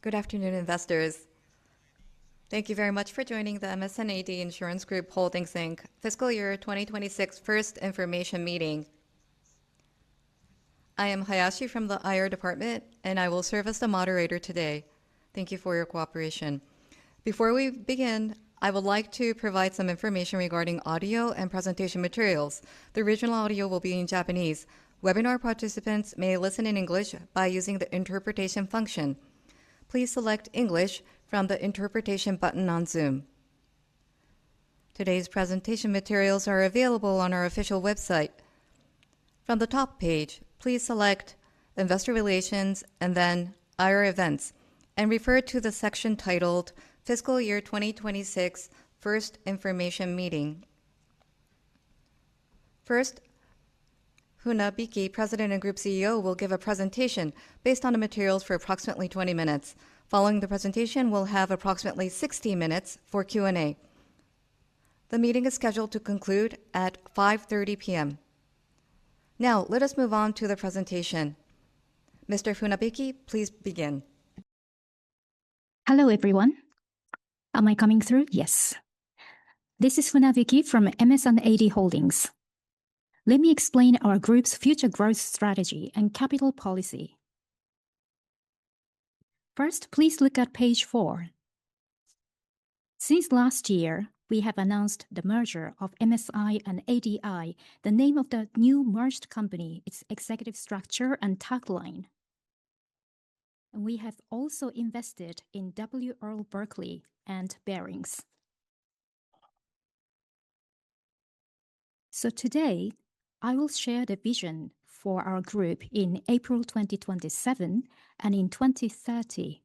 Good afternoon, investors. Thank you very much for joining the MS&AD Insurance Group Holdings, Inc. Fiscal Year 2026 First Information Meeting. I am Hayashi from the IR department, and I will serve as the moderator today. Thank you for your cooperation. Before we begin, I would like to provide some information regarding audio and presentation materials. The original audio will be in Japanese. Webinar participants may listen in English by using the interpretation function. Please select English from the interpretation button on Zoom. Today's presentation materials are available on our official website. From the top page, please select Investor Relations and then IR Events, and refer to the section titled Fiscal Year 2026 First Information Meeting. First, Funabiki, President and Group CEO, will give a presentation based on the materials for approximately 20 minutes. Following the presentation, we'll have approximately 60 minutes for Q&A. The meeting is scheduled to conclude at 5:30 P.M. Now, let us move on to the presentation. Mr. Funabiki, please begin. Hello, everyone. Am I coming through? Yes. This is Funabiki from MS&AD Holdings. Let me explain our group's future growth strategy and capital policy. Please look at page four. Since last year, we have announced the merger of MSI and ADI, the name of the new merged company, its executive structure, and tagline. We have also invested in W. R. Berkley and Barings. Today, I will share the vision for our group in April 2027 and in 2030.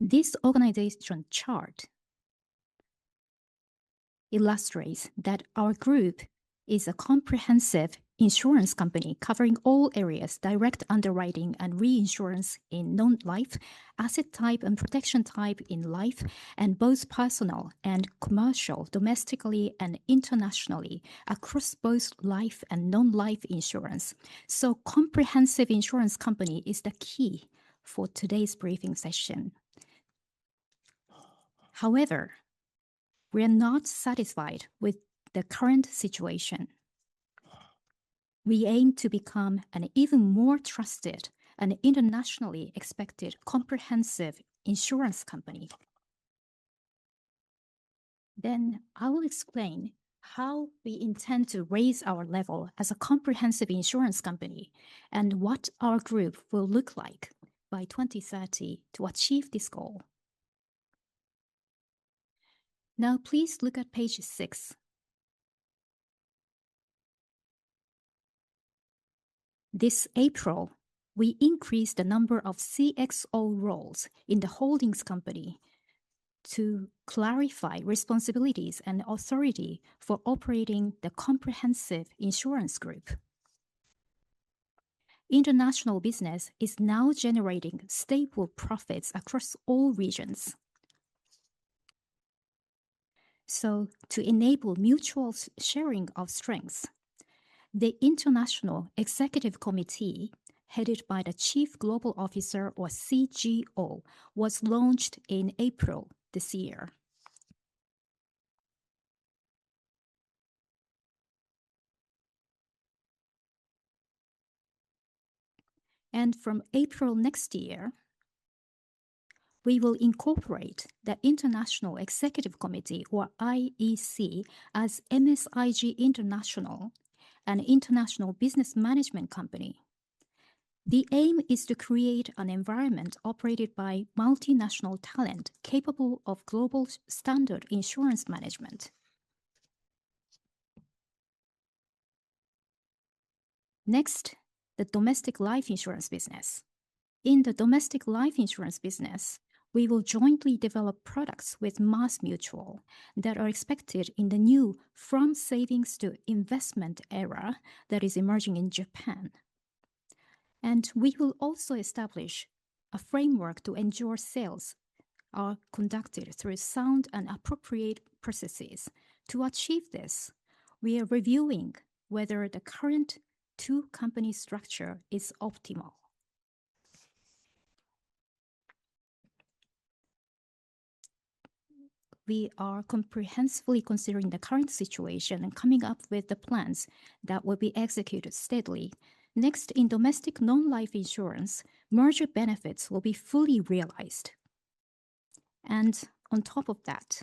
This organization chart illustrates that our group is a comprehensive insurance company covering all areas, direct underwriting and reinsurance in non-life, asset type and protection type in life, and both personal and commercial, domestically and internationally, across both life and non-life insurance. Comprehensive insurance company is the key for today's briefing session. However, we are not satisfied with the current situation. We aim to become an even more trusted and internationally respected comprehensive insurance company. I will explain how we intend to raise our level as a comprehensive insurance company, and what our group will look like by 2030 to achieve this goal. Please look at page six. This April, we increased the number of CXO roles in the holdings company to clarify responsibilities and authority for operating the comprehensive insurance group. International business is now generating stable profits across all regions. To enable mutual sharing of strengths, the International Executive Committee, headed by the Chief Global Officer, or CGO, was launched in April this year. From April next year, we will incorporate the International Executive Committee, or IEC, as MSIG International, an international business management company. The aim is to create an environment operated by multinational talent capable of global standard insurance management. Next, the domestic life insurance business. In the domestic life insurance business, we will jointly develop products with MassMutual that are expected in the new from savings to investment era that is emerging in Japan. We will also establish a framework to ensure sales are conducted through sound and appropriate processes. To achieve this, we are reviewing whether the current two-company structure is optimal. We are comprehensively considering the current situation and coming up with the plans that will be executed steadily. Next, in domestic non-life insurance, merger benefits will be fully realized. On top of that,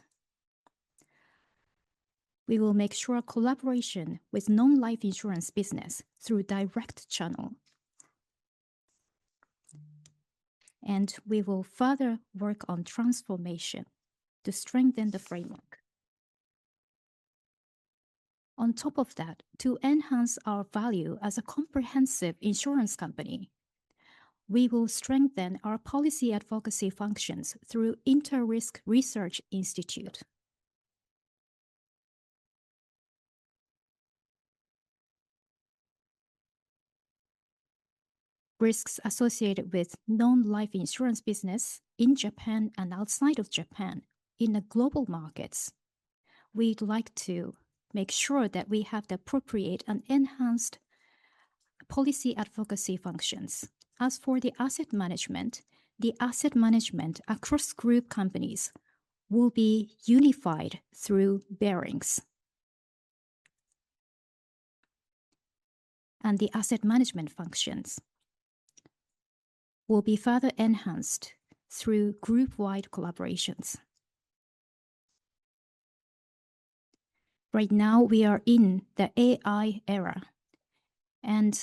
we will make sure collaboration with non-life insurance business through direct channel. We will further work on transformation to strengthen the framework. On top of that, to enhance our value as a comprehensive insurance company, we will strengthen our policy advocacy functions through InterRisk Research Institute. Risks associated with non-life insurance business in Japan and outside of Japan in the global markets. We'd like to make sure that we have the appropriate and enhanced policy advocacy functions. As for the asset management, the asset management across group companies will be unified through Barings. The asset management functions will be further enhanced through group-wide collaborations. Right now, we are in the AI era, and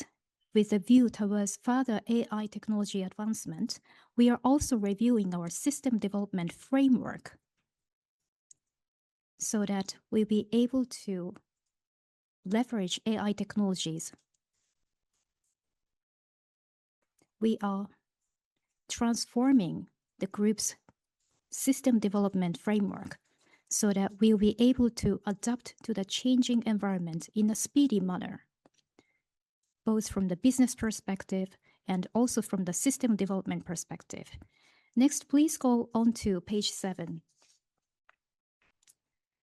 with a view towards further AI technology advancement, we are also reviewing our system development framework so that we'll be able to leverage AI technologies. We are transforming the group's system development framework so that we'll be able to adapt to the changing environment in a speedy manner, both from the business perspective and also from the system development perspective. Next, please go on to page seven.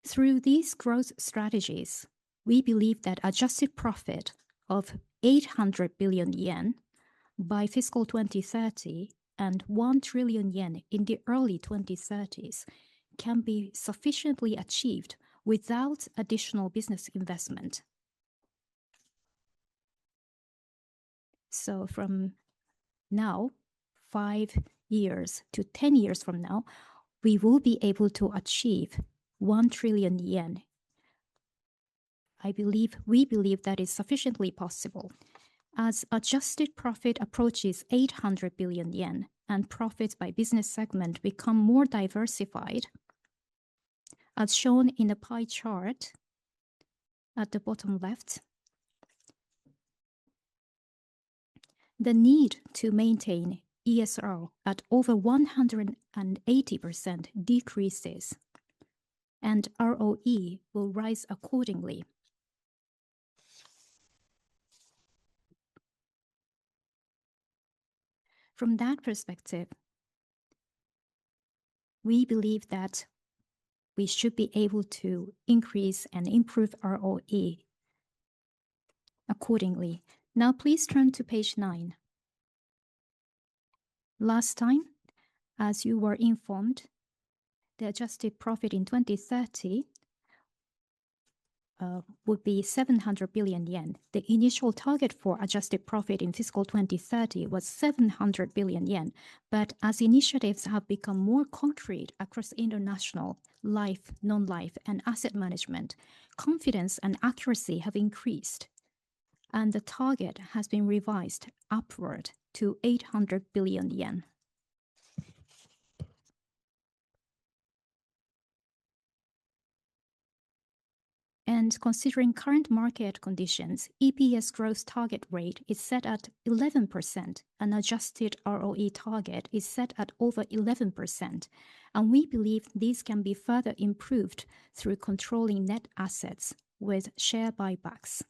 Through these growth strategies, we believe that adjusted profit of 800 billion yen by fiscal 2030 and 1 trillion yen in the early 2030s can be sufficiently achieved without additional business investment. From now, five years-10 years from now, we will be able to achieve 1 trillion yen. We believe that is sufficiently possible. As adjusted profit approaches 800 billion yen and profits by business segment become more diversified, as shown in the pie chart at the bottom left, the need to maintain ESR at over 180% decreases, and ROE will rise accordingly. From that perspective, we believe that we should be able to increase and improve ROE accordingly. Now, please turn to page nine. Last time, as you were informed, the adjusted profit in 2030 would be 700 billion yen. The initial target for adjusted profit in fiscal 2030 was 700 billion yen. As initiatives have become more concrete across international life, non-life, and asset management, confidence and accuracy have increased, and the target has been revised upward to 800 billion yen. Considering current market conditions, EPS growth target rate is set at 11%, and adjusted ROE target is set at over 11%, and we believe these can be further improved through controlling net assets with share buybacks.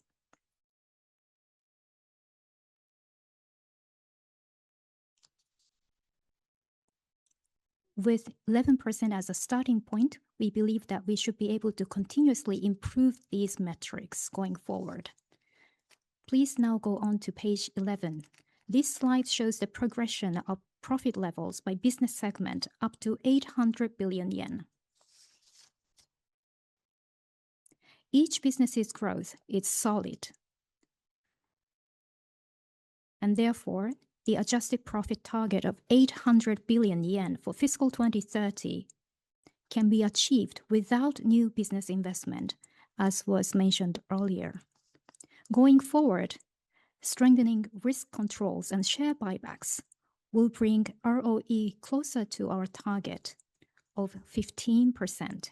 With 11% as a starting point, we believe that we should be able to continuously improve these metrics going forward. Please now go onto page 11. This slide shows the progression of profit levels by business segment up to 800 billion yen. Each business's growth is solid. Therefore, the adjusted profit target of 800 billion yen for fiscal 2030 can be achieved without new business investment, as was mentioned earlier. Going forward, strengthening risk controls and share buybacks will bring ROE closer to our target of 15%.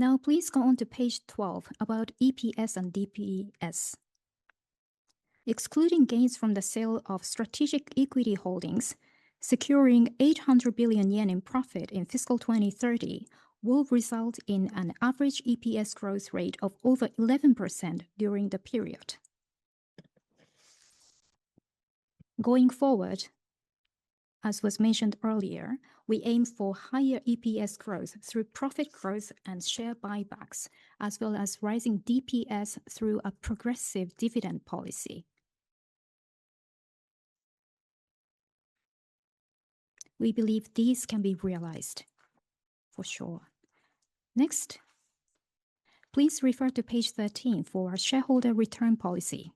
Now, please go on to page 12 about EPS and DPS. Excluding gains from the sale of strategic equity holdings, securing 800 billion yen in profit in fiscal 2030 will result in an average EPS growth rate of over 11% during the period. Going forward, as was mentioned earlier, we aim for higher EPS growth through profit growth and share buybacks, as well as rising DPS through a progressive dividend policy. We believe these can be realized for sure. Next, please refer to page 13 for our shareholder return policy.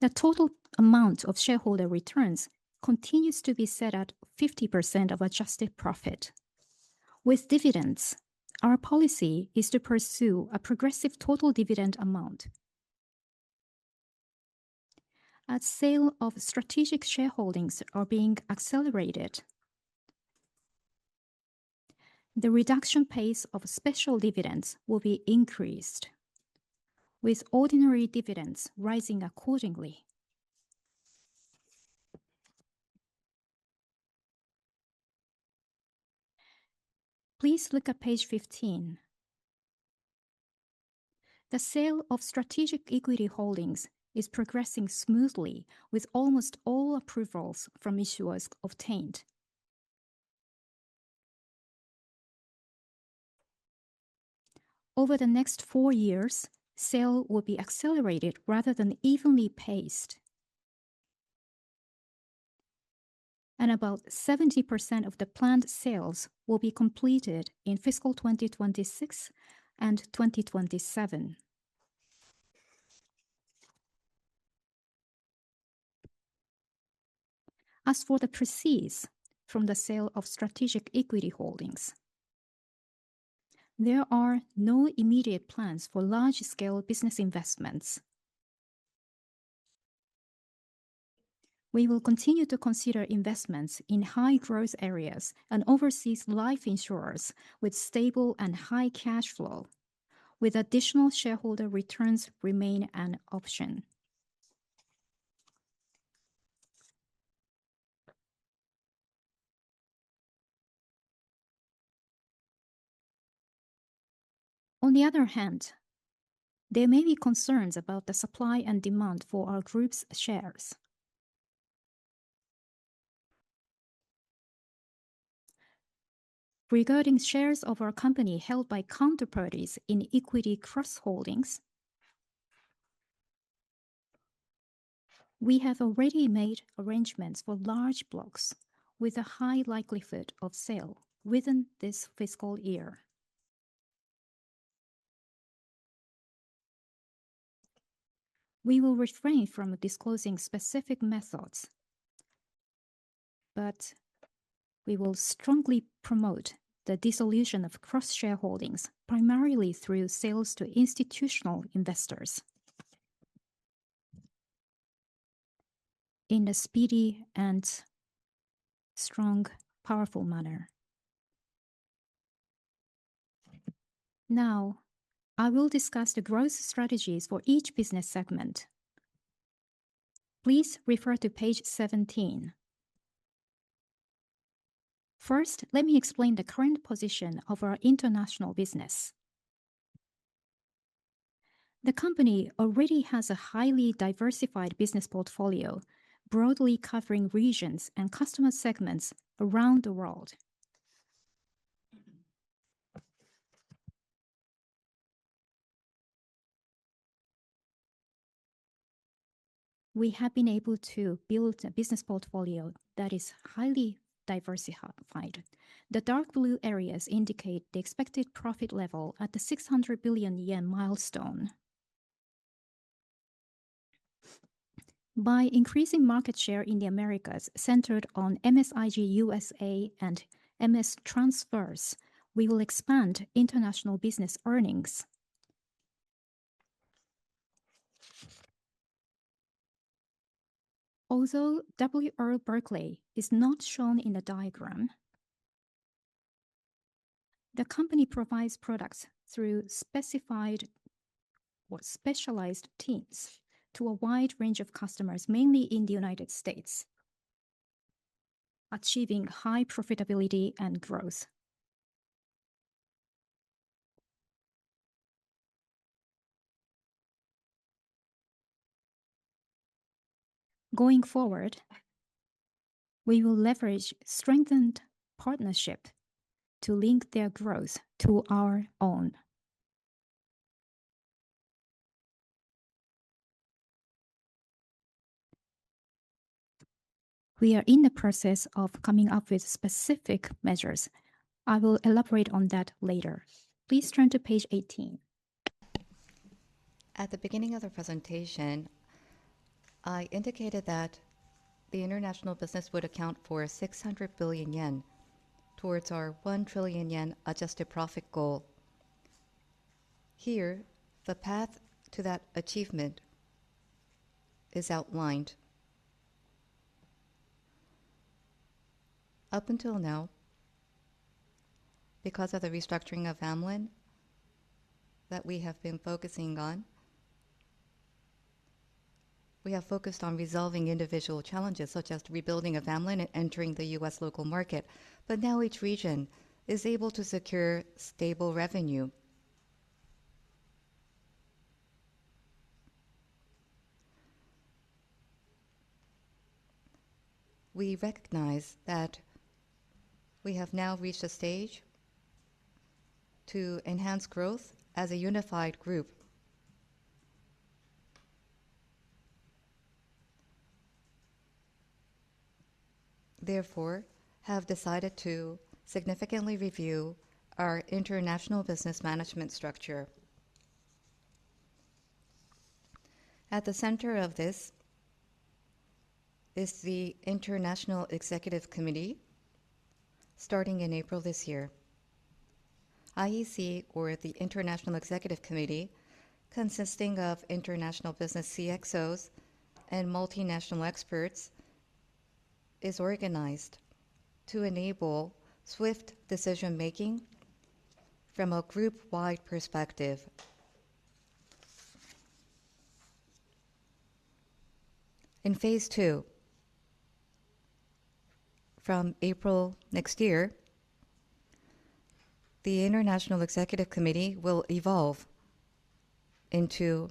The total amount of shareholder returns continues to be set at 50% of adjusted profit. With dividends, our policy is to pursue a progressive total dividend amount. As sale of strategic shareholdings are being accelerated, the reduction pace of special dividends will be increased, with ordinary dividends rising accordingly. Please look at page 15. The sale of strategic equity holdings is progressing smoothly with almost all approvals from issuers obtained. Over the next four years, sale will be accelerated rather than evenly paced, and about 70% of the planned sales will be completed in fiscal 2026 and 2027. As for the proceeds from the sale of strategic equity holdings, there are no immediate plans for large-scale business investments. We will continue to consider investments in high-growth areas and overseas life insurers with stable and high cash flow, with additional shareholder returns remain an option. There may be concerns about the supply and demand for our Group's shares. Regarding shares of our company held by counterparties in equity cross-holdings, we have already made arrangements for large blocks with a high likelihood of sale within this fiscal year. We will refrain from disclosing specific methods, we will strongly promote the dissolution of cross-shareholdings, primarily through sales to institutional investors in a speedy and strong, powerful manner. I will discuss the growth strategies for each business segment. Please refer to page 17. Let me explain the current position of our international business. The company already has a highly diversified business portfolio, broadly covering regions and customer segments around the world. We have been able to build a business portfolio that is highly diversified. The dark blue areas indicate the expected profit level at the 600 billion yen milestone. By increasing market share in the Americas centered on MSIG USA and MS Transverse, we will expand international business earnings. Although W. R. Berkley is not shown in the diagram, the company provides products through specialized teams to a wide range of customers, mainly in the U.S., achieving high profitability and growth. Going forward, we will leverage strengthened partnership to link their growth to our own. We are in the process of coming up with specific measures. I will elaborate on that later. Please turn to page 18. At the beginning of the presentation, I indicated that the international business would account for 600 billion yen towards our 1 trillion yen adjusted profit goal. Here, the path to that achievement is outlined. Up until now, because of the restructuring of Amlin that we have been focusing on, we have focused on resolving individual challenges, such as rebuilding of Amlin and entering the U.S. local market. Now each region is able to secure stable revenue. We recognize that we have now reached a stage to enhance growth as a unified group. We have decided to significantly review our international business management structure. At the center of this is the International Executive Committee starting in April this year. IEC, or the International Executive Committee, consisting of international business CXOs and multinational experts, is organized to enable swift decision-making from a group-wide perspective. In phase II, from April next year, the International Executive Committee will evolve into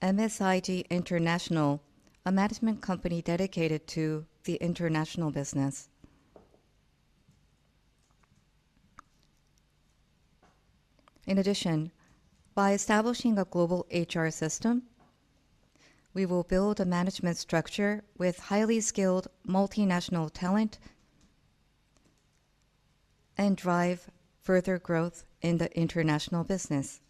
MSIG International, a management company dedicated to the international business. In addition, by establishing a global HR system, we will build a management structure with highly skilled multinational talent and drive further growth in the international business.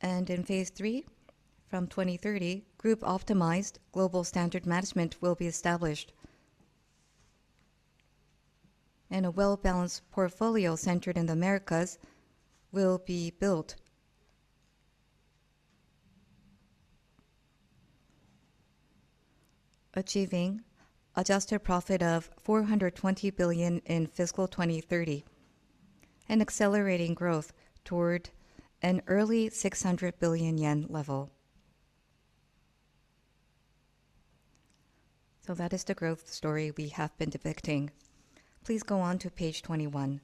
In phase III, from 2030, group optimized global standard management will be established, and a well-balanced portfolio centered in the Americas will be built, achieving adjusted profit of 420 billion in fiscal 2030 and accelerating growth toward an early 600 billion yen level. That is the growth story we have been depicting. Please go on to page 21.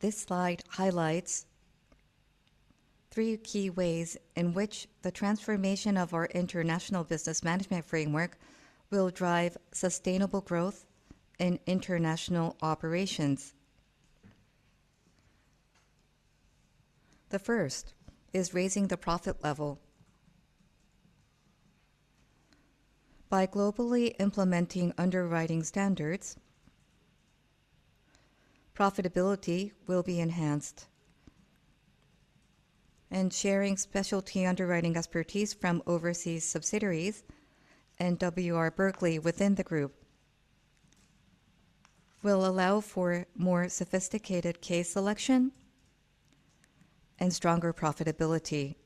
This slide highlights three key ways in which the transformation of our international business management framework will drive sustainable growth in international operations. The first is raising the profit level. By globally implementing underwriting standards, profitability will be enhanced, and sharing specialty underwriting expertise from overseas subsidiaries and W. R. Berkley within the group will allow for more sophisticated case selection and stronger profitability.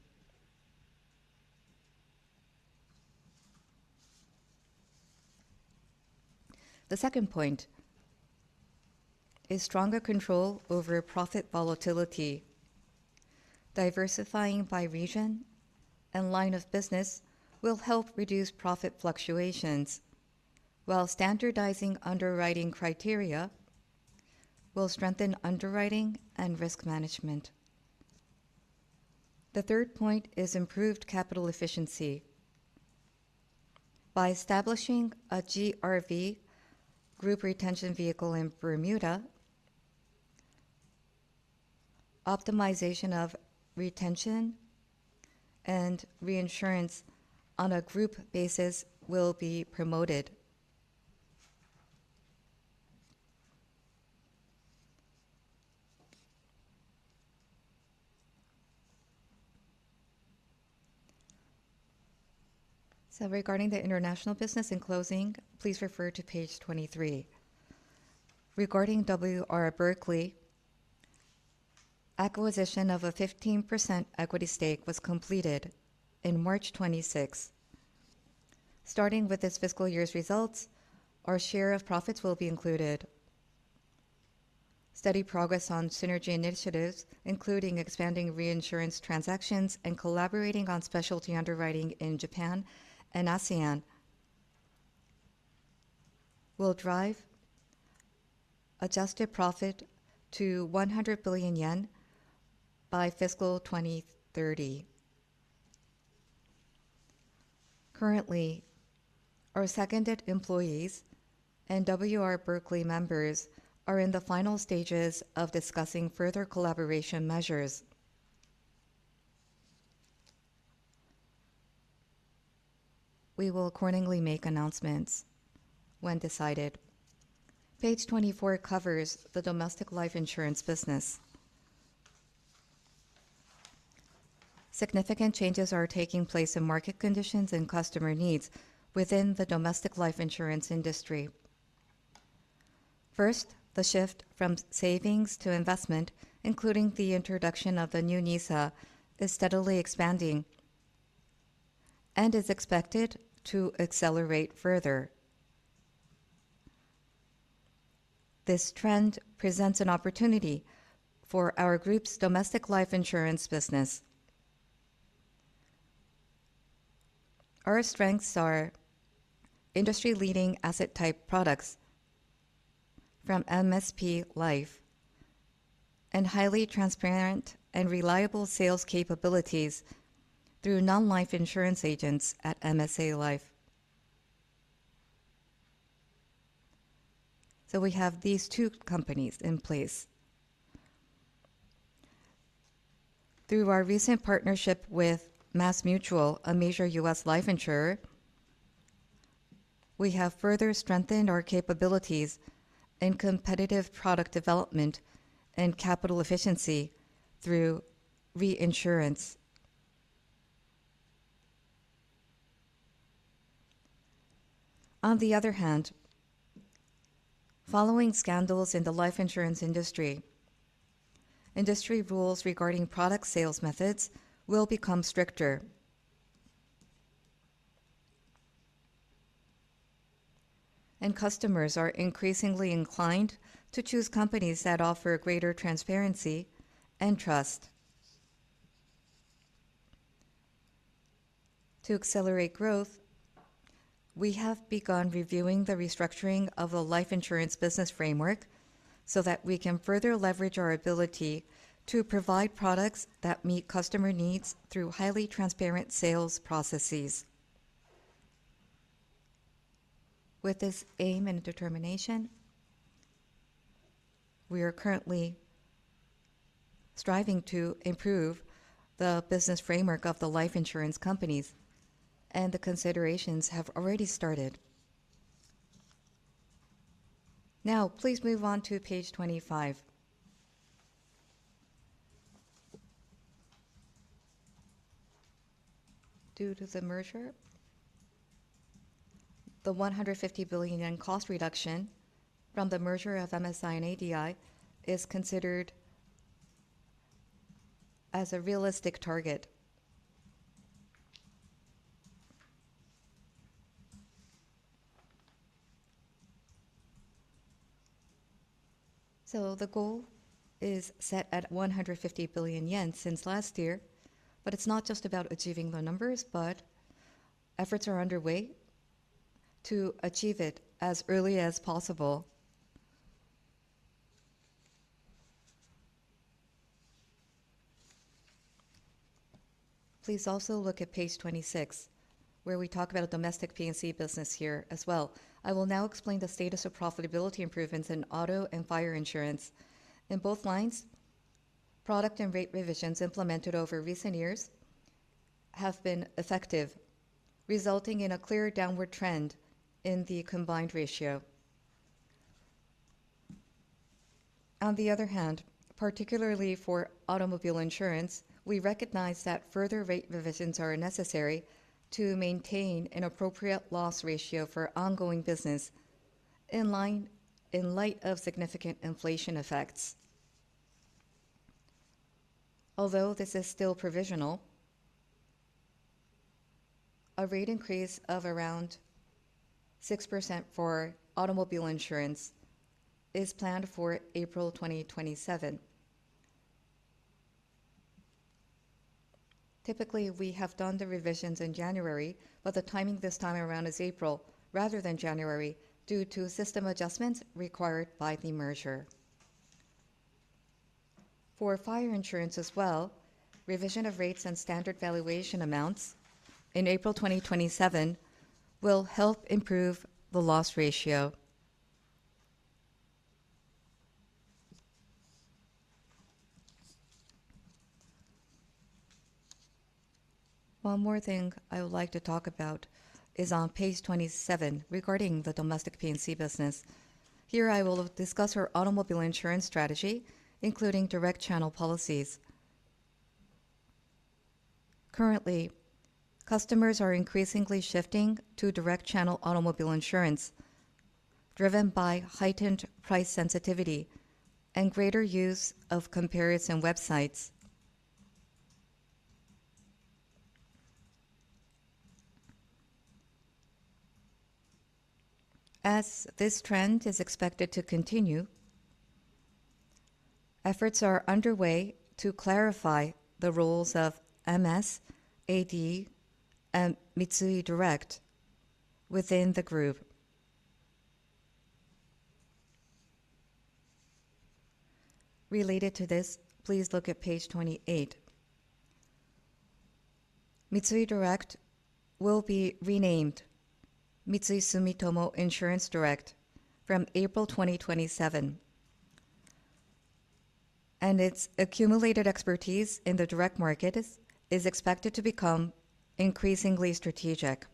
The second point is stronger control over profit volatility. Diversifying by region and line of business will help reduce profit fluctuations, while standardizing underwriting criteria will strengthen underwriting and risk management. The third point is improved capital efficiency. By establishing a GRV, Group Retention Vehicle, in Bermuda, optimization of retention and reinsurance on a group basis will be promoted. Regarding the international business in closing, please refer to page 23. Regarding W. R. Berkley, acquisition of a 15% equity stake was completed on March 26. Starting with this fiscal year's results, our share of profits will be included. Steady progress on synergy initiatives, including expanding reinsurance transactions and collaborating on specialty underwriting in Japan and ASEAN, will drive adjusted profit to 100 billion yen by fiscal 2030. Currently, our seconded employees and W. R. Berkley members are in the final stages of discussing further collaboration measures. We will accordingly make announcements when decided. Page 24 covers the domestic life insurance business. Significant changes are taking place in market conditions and customer needs within the domestic life insurance industry. First, the shift from savings to investment, including the introduction of the new NISA, is steadily expanding and is expected to accelerate further. This trend presents an opportunity for our group's domestic life insurance business. Our strengths are industry-leading asset-type products from MSP Life and highly transparent and reliable sales capabilities through non-life insurance agents at MSA Life. We have these two companies in place. Through our recent partnership with MassMutual, a major U.S. life insurer, we have further strengthened our capabilities in competitive product development and capital efficiency through reinsurance. On the other hand, following scandals in the life insurance industry rules regarding product sales methods will become stricter. Customers are increasingly inclined to choose companies that offer greater transparency and trust. To accelerate growth, we have begun reviewing the restructuring of the life insurance business framework so that we can further leverage our ability to provide products that meet customer needs through highly transparent sales processes. With this aim and determination, we are currently striving to improve the business framework of the life insurance companies, and the considerations have already started. Please move on to page 25. Due to the merger, the 150 billion yen cost reduction from the merger of MSI and ADI is considered as a realistic target. The goal is set at 150 billion yen since last year, but it's not just about achieving the numbers, but efforts are underway to achieve it as early as possible. Please also look at page 26, where we talk about domestic P&C business here as well. I will now explain the status of profitability improvements in auto and fire insurance. In both lines, product and rate revisions implemented over recent years have been effective, resulting in a clear downward trend in the combined ratio. On the other hand, particularly for automobile insurance, we recognize that further rate revisions are necessary to maintain an appropriate loss ratio for ongoing business in light of significant inflation effects. Although this is still provisional, a rate increase of around 6% for automobile insurance is planned for April 2027. Typically, we have done the revisions in January, but the timing this time around is April rather than January, due to system adjustments required by the merger. For fire insurance as well, revision of rates and standard valuation amounts in April 2027 will help improve the loss ratio. One more thing I would like to talk about is on page 27 regarding the domestic P&C business. Here, I will discuss our automobile insurance strategy, including direct channel policies. Currently, customers are increasingly shifting to direct channel automobile insurance, driven by heightened price sensitivity and greater use of comparison websites. As this trend is expected to continue, efforts are underway to clarify the roles of MS, AD, and Mitsui Direct within the group. Related to this, please look at page 28. Mitsui Direct will be renamed Mitsui Sumitomo Insurance Direct from April 2027, and its accumulated expertise in the direct market is expected to become increasingly strategic.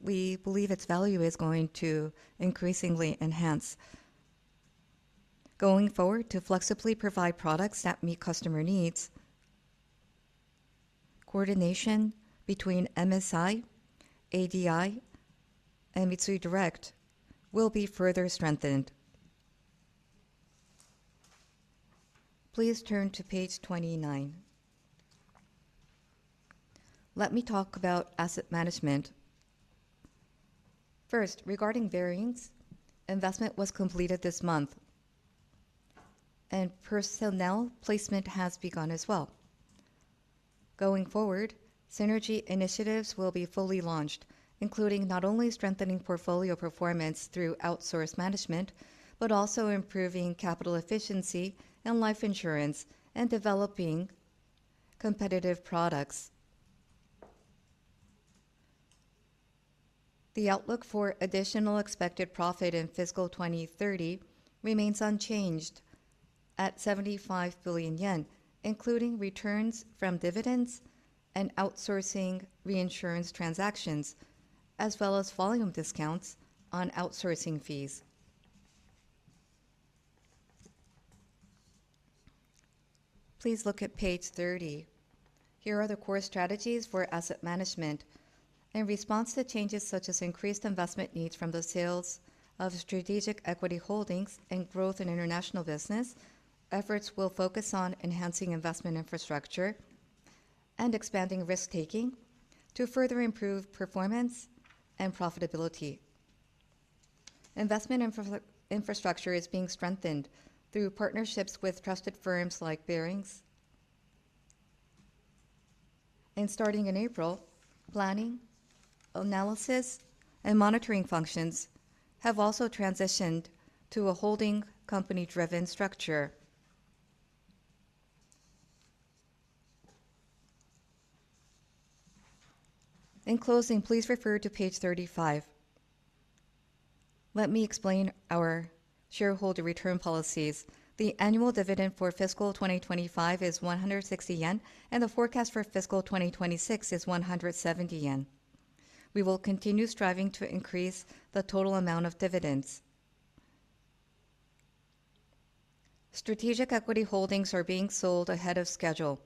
We believe its value is going to increasingly enhance. Going forward to flexibly provide products that meet customer needs, coordination between MSI, ADI, and Mitsui Direct will be further strengthened. Please turn to page 29. Let me talk about asset management. First, regarding Barings, investment was completed this month, and personnel placement has begun as well. Going forward, synergy initiatives will be fully launched, including not only strengthening portfolio performance through outsourced management, but also improving capital efficiency and life insurance, and developing competitive products. The outlook for additional expected profit in fiscal 2030 remains unchanged at 75 billion yen, including returns from dividends and outsourcing reinsurance transactions, as well as volume discounts on outsourcing fees. Please look at page 30. Here are the core strategies for asset management. In response to changes such as increased investment needs from the sales of strategic equity holdings and growth in international business, efforts will focus on enhancing investment infrastructure and expanding risk-taking to further improve performance and profitability. Investment infrastructure is being strengthened through partnerships with trusted firms like Barings. Starting in April, planning, analysis, and monitoring functions have also transitioned to a holding company-driven structure. In closing, please refer to page 35. Let me explain our shareholder return policies. The annual dividend for FY 2025 is 160 yen, and the forecast for FY 2026 is 170 yen. We will continue striving to increase the total amount of dividends. Strategic equity holdings are being sold ahead of schedule.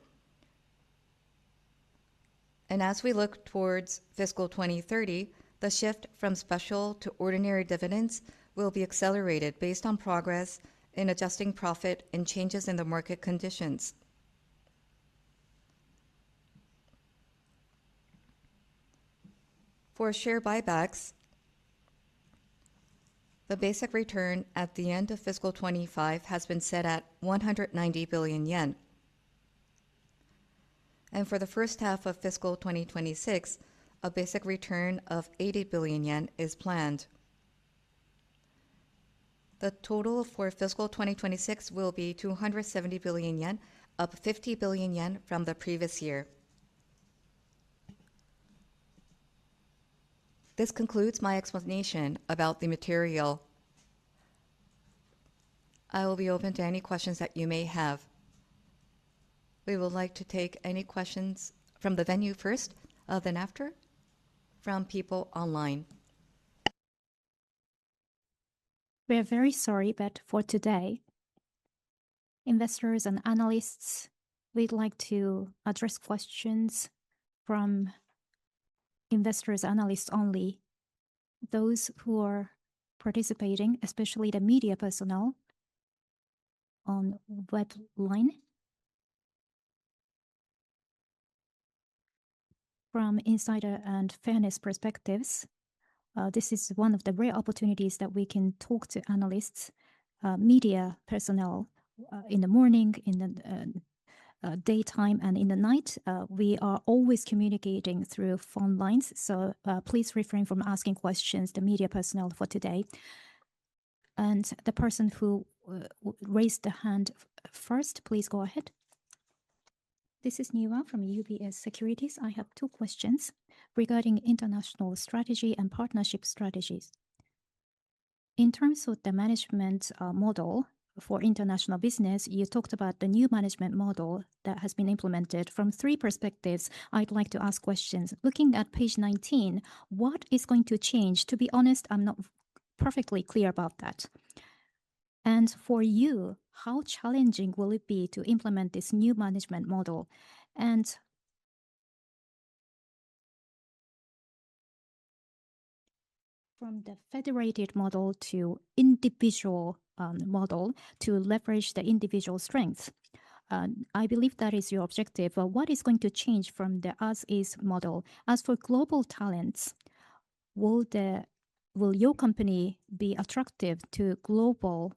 As we look towards fiscal 2030, the shift from special to ordinary dividends will be accelerated based on progress in adjusting profit and changes in the market conditions. For share buybacks, the basic return at the end of fiscal 2025 has been set at 190 billion yen. For the first half of fiscal 2026, a basic return of 80 billion yen is planned. The total for fiscal 2026 will be 270 billion yen, up 50 billion yen from the previous year. This concludes my explanation about the material. I will be open to any questions that you may have. We would like to take any questions from the venue first, then after, from people online. We are very sorry, for today, investors and analysts, we'd like to address questions from investors, analysts only. Those who are participating, especially the media personnel on web line. From insider and fairness perspectives, this is one of the rare opportunities that we can talk to analysts, media personnel in the morning, in the daytime, and in the night. We are always communicating through phone lines, please refrain from asking questions, the media personnel, for today. The person who raised the hand first, please go ahead. This is Niwa from UBS Securities. I have two questions regarding international strategy and partnership strategies. In terms of the management model for international business, you talked about the new management model that has been implemented from three perspectives. I'd like to ask questions. Looking at page 19, what is going to change? To be honest, I'm not perfectly clear about that. For you, how challenging will it be to implement this new management model? From the federated model to individual model to leverage the individual strengths, I believe that is your objective. What is going to change from the as-is model? As for global talents, will your company be attractive to global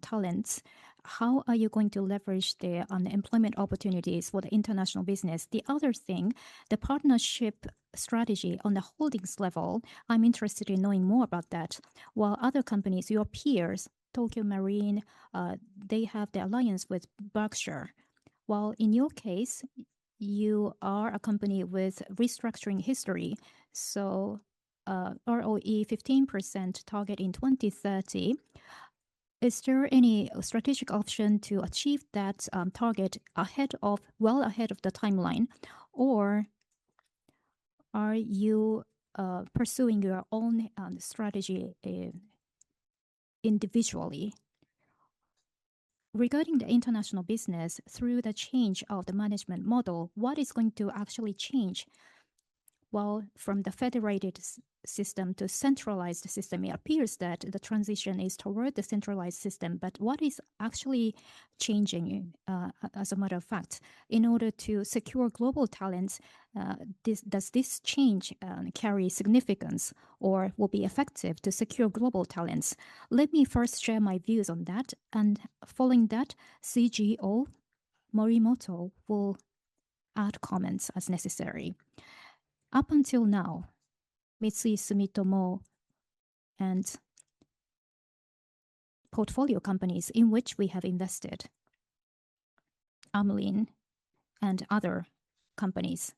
talents? How are you going to leverage the employment opportunities for the international business? The other thing, the partnership strategy on the holdings level, I'm interested in knowing more about that. Other companies, your peers, Tokio Marine, they have the alliance with Berkshire. In your case, you are a company with restructuring history, ROE 15% target in 2030. Is there any strategic option to achieve that target well ahead of the timeline, or are you pursuing your own strategy individually? Regarding the international business through the change of the management model, what is going to actually change? Well, from the federated system to centralized system, it appears that the transition is toward the centralized system. What is actually changing as a matter of fact? In order to secure global talents, does this change carry significance or will be effective to secure global talents? Let me first share my views on that, and following that, CGO Morimoto will add comments as necessary. Up until now, Mitsui Sumitomo and portfolio companies in which we have invested, Amlin and other companies.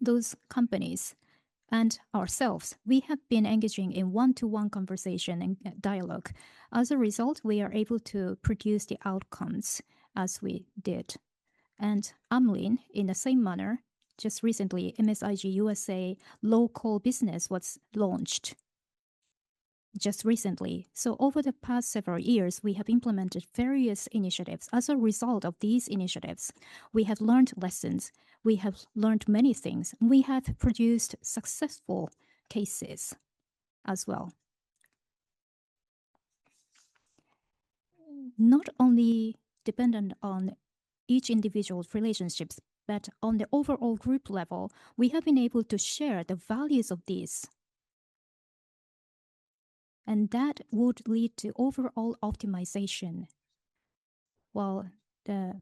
Those companies and ourselves, we have been engaging in one-to-one conversation and dialogue. As a result, we are able to produce the outcomes as we did. Amlin, in the same manner, just recently, MSIG USA local business was launched. Just recently. Over the past several years, we have implemented various initiatives. As a result of these initiatives, we have learned lessons. We have learned many things. We have produced successful cases as well. Not only dependent on each individual's relationships, but on the overall group level, we have been able to share the values of these, and that would lead to overall optimization. While the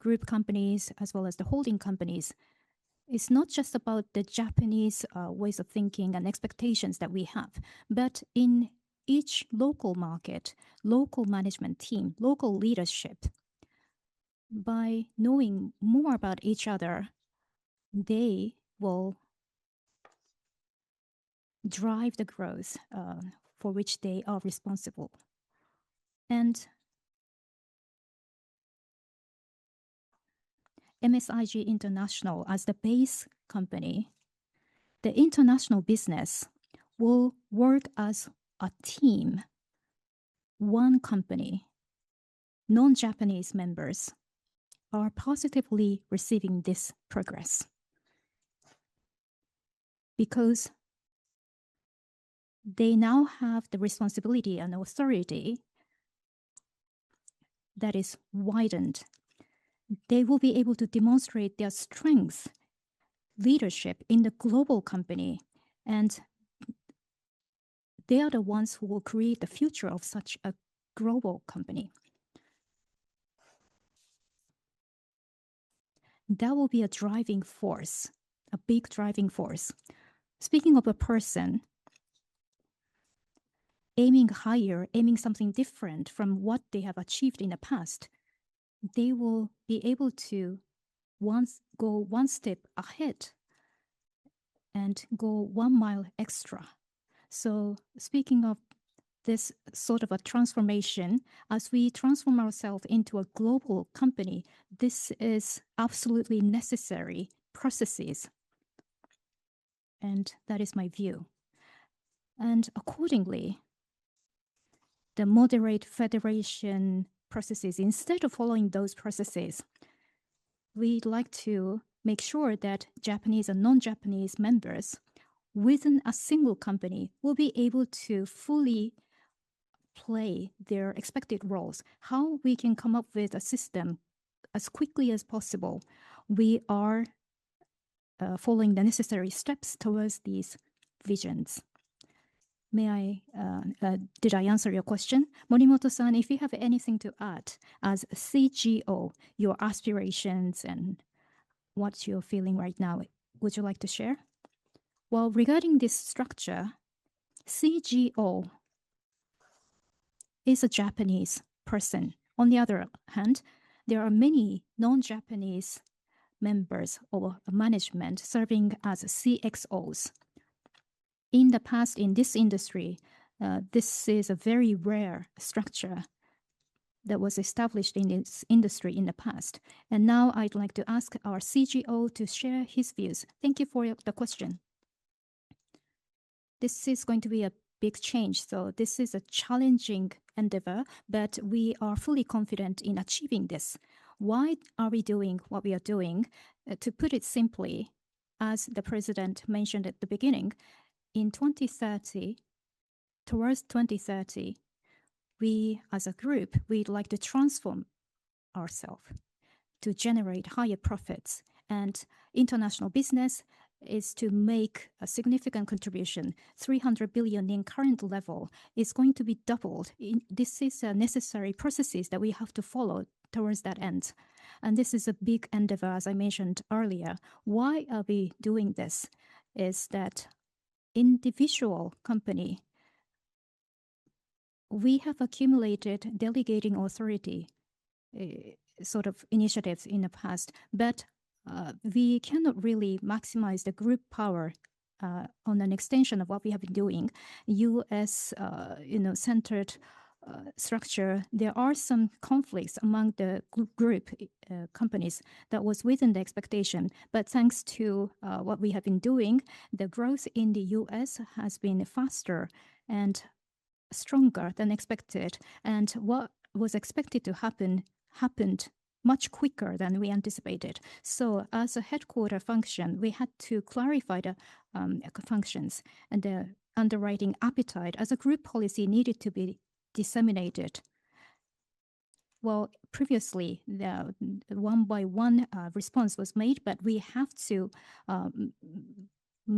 group companies as well as the holding companies, it's not just about the Japanese ways of thinking and expectations that we have, but in each local market, local management team, local leadership. By knowing more about each other, they will drive the growth for which they are responsible. MSIG International as the base company, the international business will work as a team, one company. Non-Japanese members are positively receiving this progress because they now have the responsibility and authority that is widened. They will be able to demonstrate their strength, leadership in the global company, and they are the ones who will create the future of such a global company. That will be a driving force, a big driving force. Speaking of a person aiming higher, aiming something different from what they have achieved in the past, they will be able to go one step ahead and go one mile extra. Speaking of this sort of a transformation, as we transform ourselves into a global company, this is absolutely necessary processes, and that is my view. Accordingly, the moderate federation processes, instead of following those processes, we'd like to make sure that Japanese and non-Japanese members within a single company will be able to fully play their expected roles. How we can come up with a system as quickly as possible? We are following the necessary steps towards these visions. Did I answer your question? Morimoto-san, if you have anything to add as CGO, your aspirations and what you're feeling right now, would you like to share? Well, regarding this structure, CGO is a Japanese person. On the other hand, there are many non-Japanese members or management serving as CXOs. In the past, in this industry, this is a very rare structure that was established in this industry in the past. Now I'd like to ask our CGO to share his views. Thank you for the question. This is going to be a big change. This is a challenging endeavor, but we are fully confident in achieving this. Why are we doing what we are doing? To put it simply, as the President mentioned at the beginning, towards 2030, we as a group, we'd like to transform ourself to generate higher profits. International business is to make a significant contribution. 300 billion in current level is going to be doubled. This is a necessary processes that we have to follow towards that end. This is a big endeavor, as I mentioned earlier. Why are we doing this? Is that individual company, we have accumulated delegating authority sort of initiatives in the past, but we cannot really maximize the group power on an extension of what we have been doing. U.S.-centered structure. There are some conflicts among the group companies that was within the expectation, but thanks to what we have been doing, the growth in the U.S. has been faster and stronger than expected. What was expected to happen happened much quicker than we anticipated. As a headquarter function, we had to clarify the functions and the underwriting appetite as a group policy needed to be disseminated. Well, previously, the one by one response was made, but we have to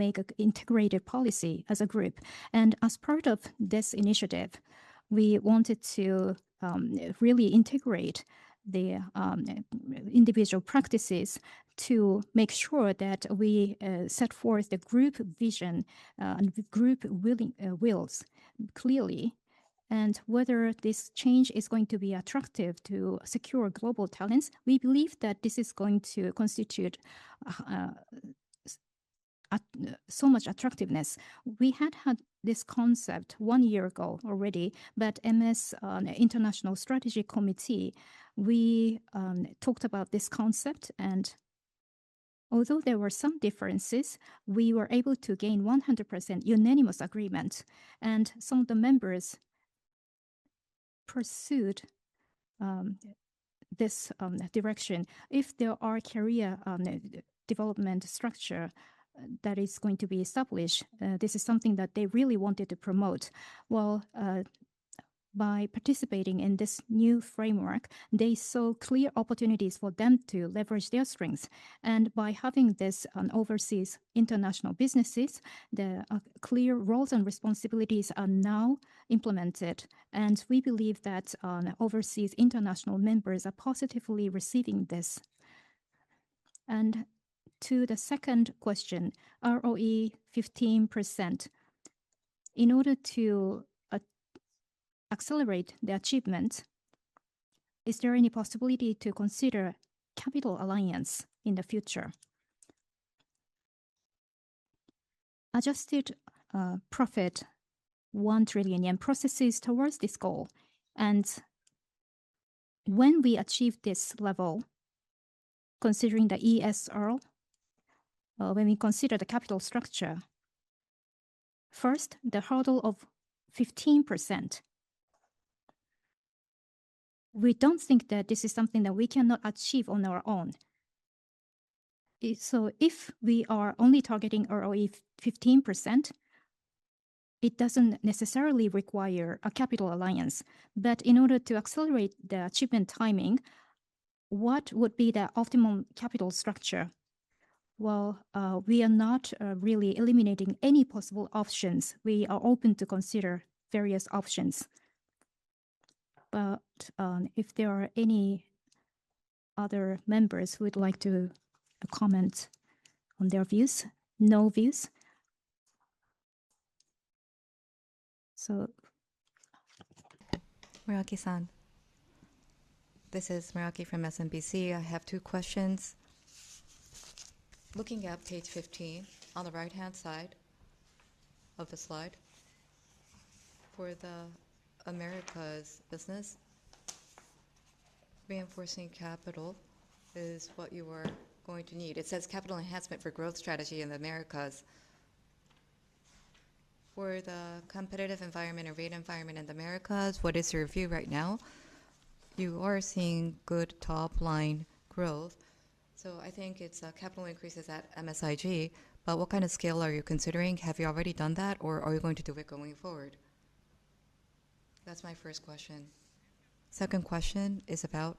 make an integrated policy as a group. As part of this initiative, we wanted to really integrate the individual practices to make sure that we set forth the group vision and group wills clearly, and whether this change is going to be attractive to secure global talents. We believe that this is going to constitute so much attractiveness. We had had this concept one year ago already, but MS International Strategy Committee, we talked about this concept and although there were some differences, we were able to gain 100% unanimous agreement, and some of the members pursued this direction. If there are career development structure that is going to be established, this is something that they really wanted to promote. Well, by participating in this new framework, they saw clear opportunities for them to leverage their strengths. By having this on overseas international businesses, the clear roles and responsibilities are now implemented, and we believe that overseas international members are positively receiving this. To the second question, ROE 15%. In order to accelerate the achievement, is there any possibility to consider capital alliance in the future? Adjusted profit, 1 trillion yen processes towards this goal. When we achieve this level, considering the ESR, when we consider the capital structure, first, the hurdle of 15%, we don't think that this is something that we cannot achieve on our own. If we are only targeting ROE 15%, it doesn't necessarily require a capital alliance. In order to accelerate the achievement timing, what would be the optimum capital structure? We are not really eliminating any possible options. We are open to consider various options. If there are any other members who would like to comment on their views. No views? Muraki-san. This is Muraki from SMBC. I have two questions. Looking at page 15, on the right-hand side of the slide, for the Americas business, reinforcing capital is what you are going to need. It says capital enhancement for growth strategy in the Americas. For the competitive environment and rate environment in the Americas, what is your view right now? You are seeing good top-line growth, so I think it's capital increases at MSIG, but what kind of scale are you considering? Have you already done that, or are you going to do it going forward? That's my first question. Second question is about,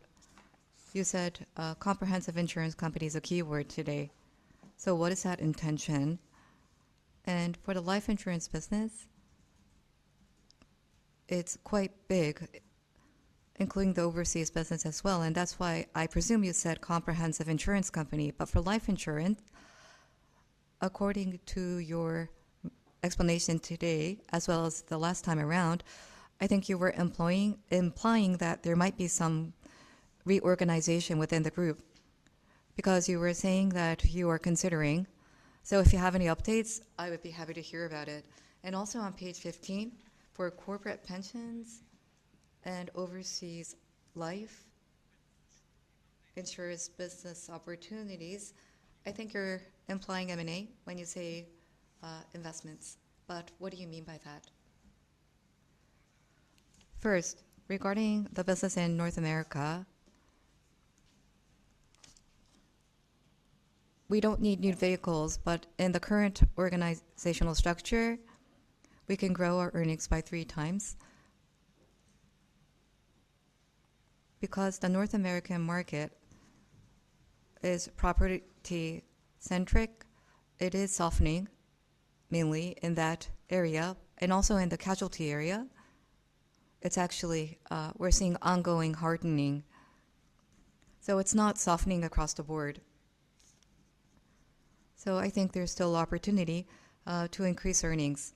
you said comprehensive insurance company is a keyword today. What is that intention? For the life insurance business, it's quite big, including the overseas business as well, and that's why I presume you said comprehensive insurance company. For life insurance, according to your explanation today as well as the last time around, I think you were implying that there might be some reorganization within the group, because you were saying that you are considering. If you have any updates, I would be happy to hear about it. Also on page 15, for corporate pensions and overseas life insurance business opportunities, I think you're implying M&A when you say investments, but what do you mean by that? First, regarding the business in North America, we don't need new vehicles, but in the current organizational structure, we can grow our earnings by three times. Because the North American market is property centric, it is softening mainly in that area, and also in the casualty area, we're seeing ongoing hardening. It's not softening across the board. I think there's still opportunity to increase earnings.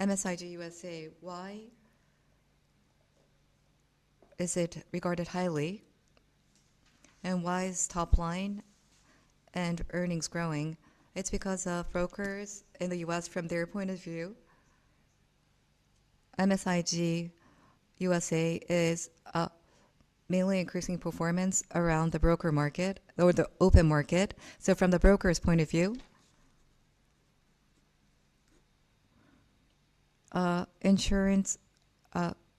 MSIG USA, why is it regarded highly, and why is top line and earnings growing? It's because of brokers in the U.S. from their point of view. MSIG USA is mainly increasing performance around the broker market or the open market. From the broker's point of view, insurance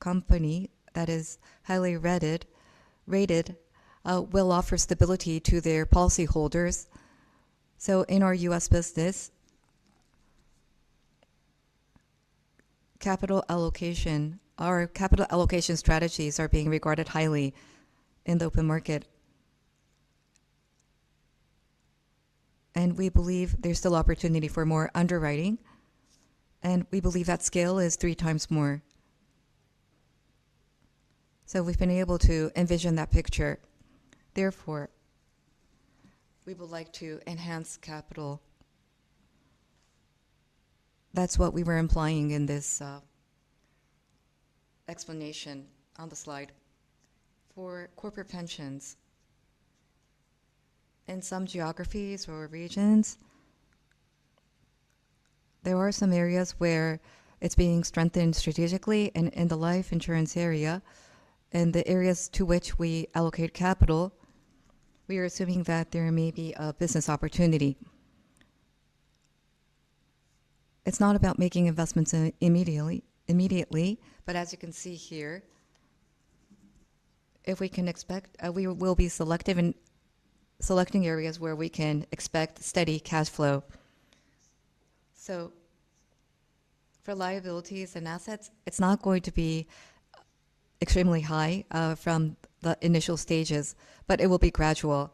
company that is highly rated will offer stability to their policyholders. In our U.S. business, our capital allocation strategies are being regarded highly in the open market. We believe there's still opportunity for more underwriting, and we believe that scale is three times more. We've been able to envision that picture. Therefore, we would like to enhance capital. That's what we were implying in this explanation on the slide. For corporate pensions, in some geographies or regions. There are some areas where it's being strengthened strategically and in the life insurance area, and the areas to which we allocate capital, we are assuming that there may be a business opportunity. It's not about making investments immediately, but as you can see here, we will be selecting areas where we can expect steady cash flow. For liabilities and assets, it's not going to be extremely high from the initial stages, but it will be gradual.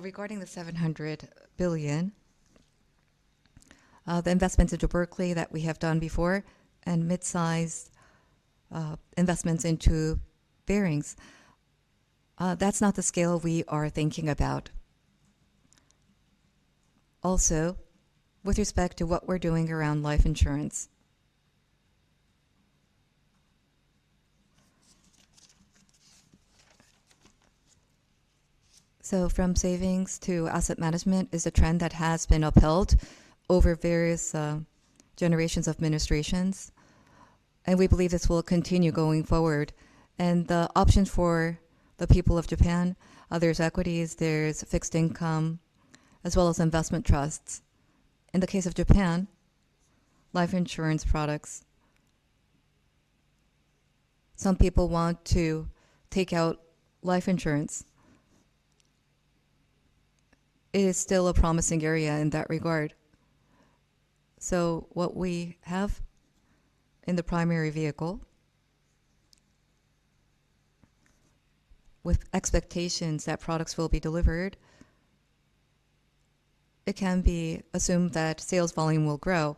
Regarding the 700 billion, the investments into Berkley that we have done before, and mid-sized investments into Barings, that's not the scale we are thinking about. Also, with respect to what we're doing around life insurance. From savings to asset management is a trend that has been upheld over various generations of administrations, and we believe this will continue going forward. The options for the people of Japan, there's equities, there's fixed income, as well as investment trusts. In the case of Japan, life insurance products, some people want to take out life insurance, it is still a promising area in that regard. What we have in the Primary vehicle, with expectations that products will be delivered, it can be assumed that sales volume will grow.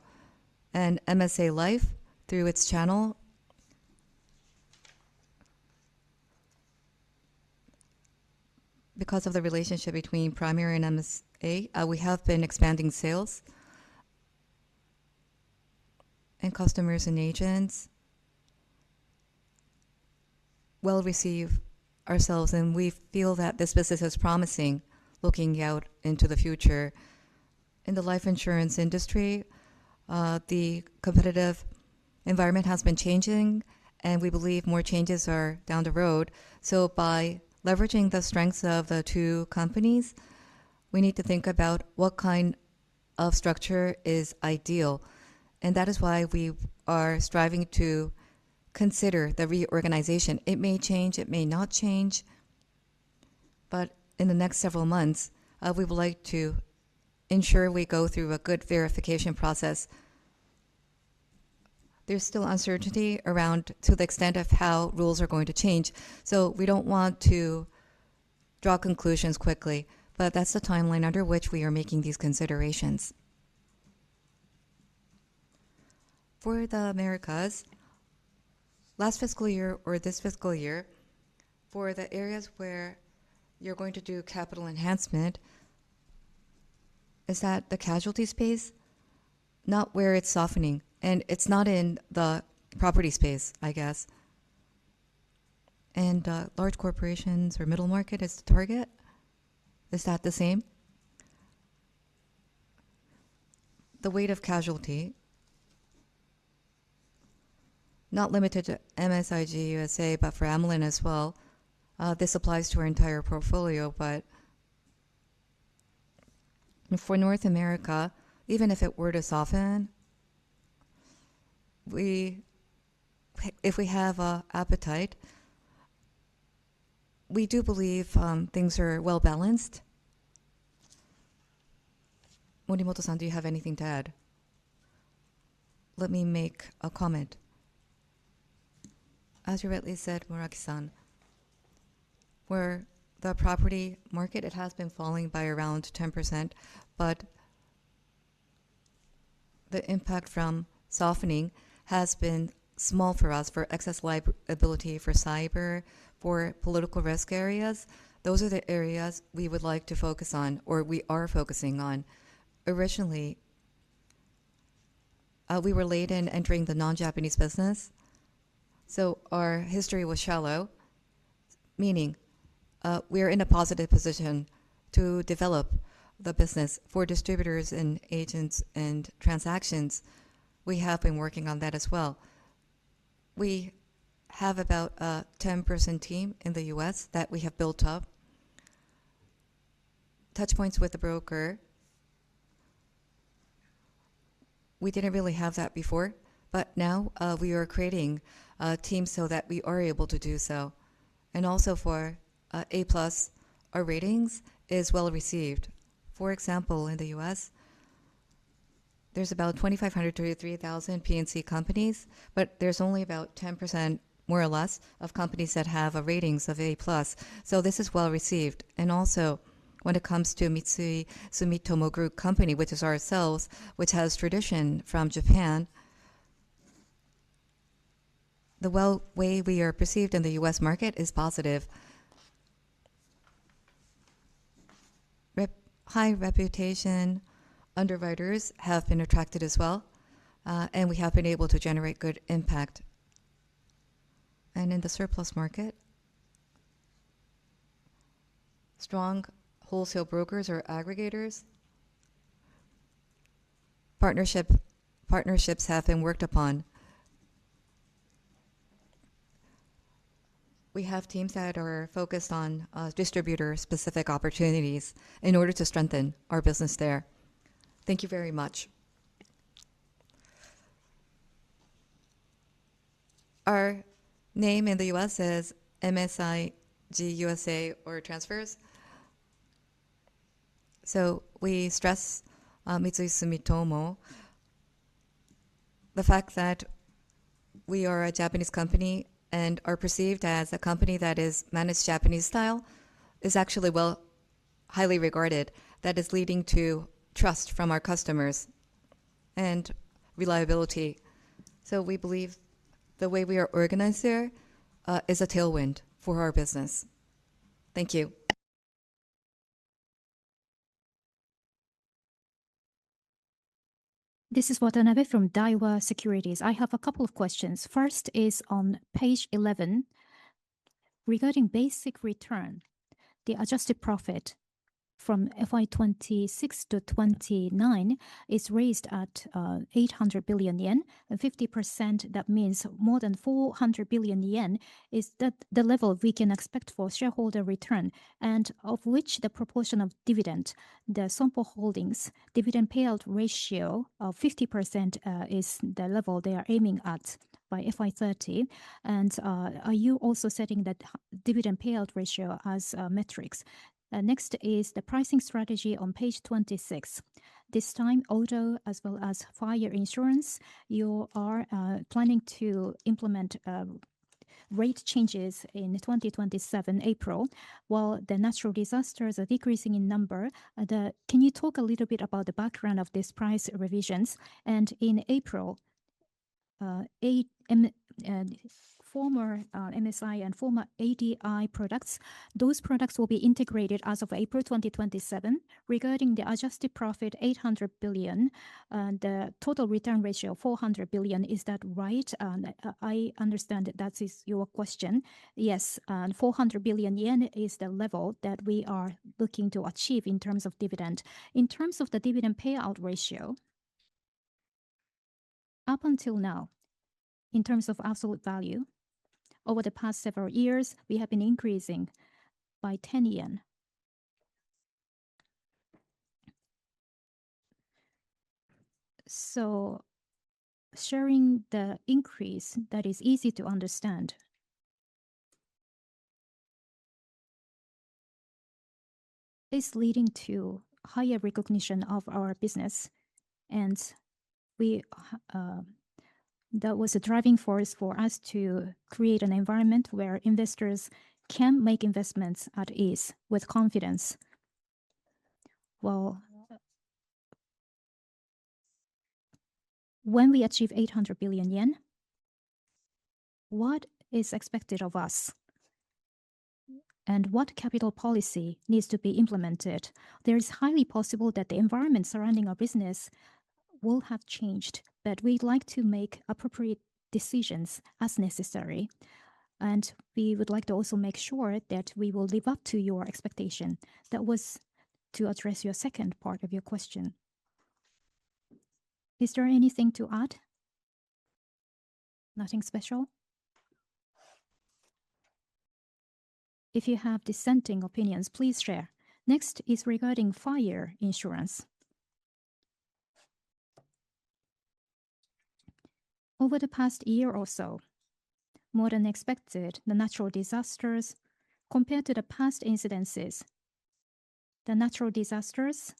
MSA Life, through its channel, because of the relationship between primary and MSA, we have been expanding sales, and customers and agents well receive ourselves, and we feel that this business is promising looking out into the future. In the life insurance industry, the competitive environment has been changing, and we believe more changes are down the road. By leveraging the strengths of the two companies, we need to think about what kind of structure is ideal, and that is why we are striving to consider the reorganization. It may change, it may not change, but in the next several months, we would like to ensure we go through a good verification process. There's still uncertainty around to the extent of how rules are going to change, so we don't want to draw conclusions quickly, but that's the timeline under which we are making these considerations. For the Americas, last fiscal year or this fiscal year, for the areas where you're going to do capital enhancement, is that the casualty space? Not where it's softening, and it's not in the property space, I guess. Large corporations or middle market is the target? Is that the same? The weight of casualty, not limited to MSIG USA, but for Amlin as well, this applies to our entire portfolio, but for North America, even if it were to soften, if we have appetite, we do believe things are well balanced. Morimoto-san, do you have anything to add? Let me make a comment. As you rightly said, Muraki-san, where the property market, it has been falling by around 10%, but the impact from softening has been small for us for excess liability, for cyber, for political risk areas. Those are the areas we would like to focus on, or we are focusing on. Originally, we were late in entering the non-Japanese business, so our history was shallow, meaning we are in a positive position to develop the business. For distributors and agents and transactions, we have been working on that as well. We have about a 10-person team in the U.S. that we have built up. Touch points with the broker, we didn't really have that before. Now we are creating a team so that we are able to do so. For A+, our ratings is well received. For example, in the U.S., there's about 2,500 to 3,000 P&C companies. There's only about 10%, more or less, of companies that have a ratings of A+. This is well received. When it comes to Mitsui Sumitomo Group company, which is ourselves, which has tradition from Japan, the way we are perceived in the U.S. market is positive. High reputation underwriters have been attracted as well. We have been able to generate good impact. In the surplus market, strong wholesale brokers or aggregators. Partnerships have been worked upon. We have teams that are focused on distributor-specific opportunities in order to strengthen our business there. Thank you very much. Our name in the U.S. is MSIG USA or MS Transverse. We stress Mitsui Sumitomo. The fact that we are a Japanese company and are perceived as a company that is managed Japanese style is actually highly regarded. That is leading to trust from our customers and reliability. We believe the way we are organized there is a tailwind for our business. Thank you. This is Watanabe from Daiwa Securities. I have a couple of questions. First is on page 11. Regarding basic return, the adjusted profit from FY 2026 to 2029 is raised at 800 billion yen, and 50%, that means more than 400 billion yen. Is that the level we can expect for shareholder return? Of which the proportion of dividend, the Sompo Holdings dividend payout ratio of 50% is the level they are aiming at by FY 2030. Are you also setting that dividend payout ratio as metrics? Next is the pricing strategy on page 26. This time, auto as well as fire insurance, you are planning to implement rate changes in 2027 April while the natural disasters are decreasing in number. Can you talk a little bit about the background of these price revisions? In April, former MSI and former ADI products, those products will be integrated as of April 2027. Regarding the adjusted profit, 800 billion, the total return ratio of 400 billion. Is that right? I understand that is your question. Yes, 400 billion yen is the level that we are looking to achieve in terms of dividend. In terms of the dividend payout ratio, up until now, in terms of absolute value, over the past several years, we have been increasing by JPY 10. Sharing the increase that is easy to understand is leading to higher recognition of our business. That was a driving force for us to create an environment where investors can make investments at ease with confidence. When we achieve 800 billion yen, what is expected of us? What capital policy needs to be implemented? There is highly possible that the environment surrounding our business will have changed, but we'd like to make appropriate decisions as necessary, and we would like to also make sure that we will live up to your expectation. That was to address your second part of your question. Is there anything to add? Nothing special? If you have dissenting opinions, please share. Next is regarding fire insurance. Over the past year or so, more than expected, compared to the past incidences, the natural disasters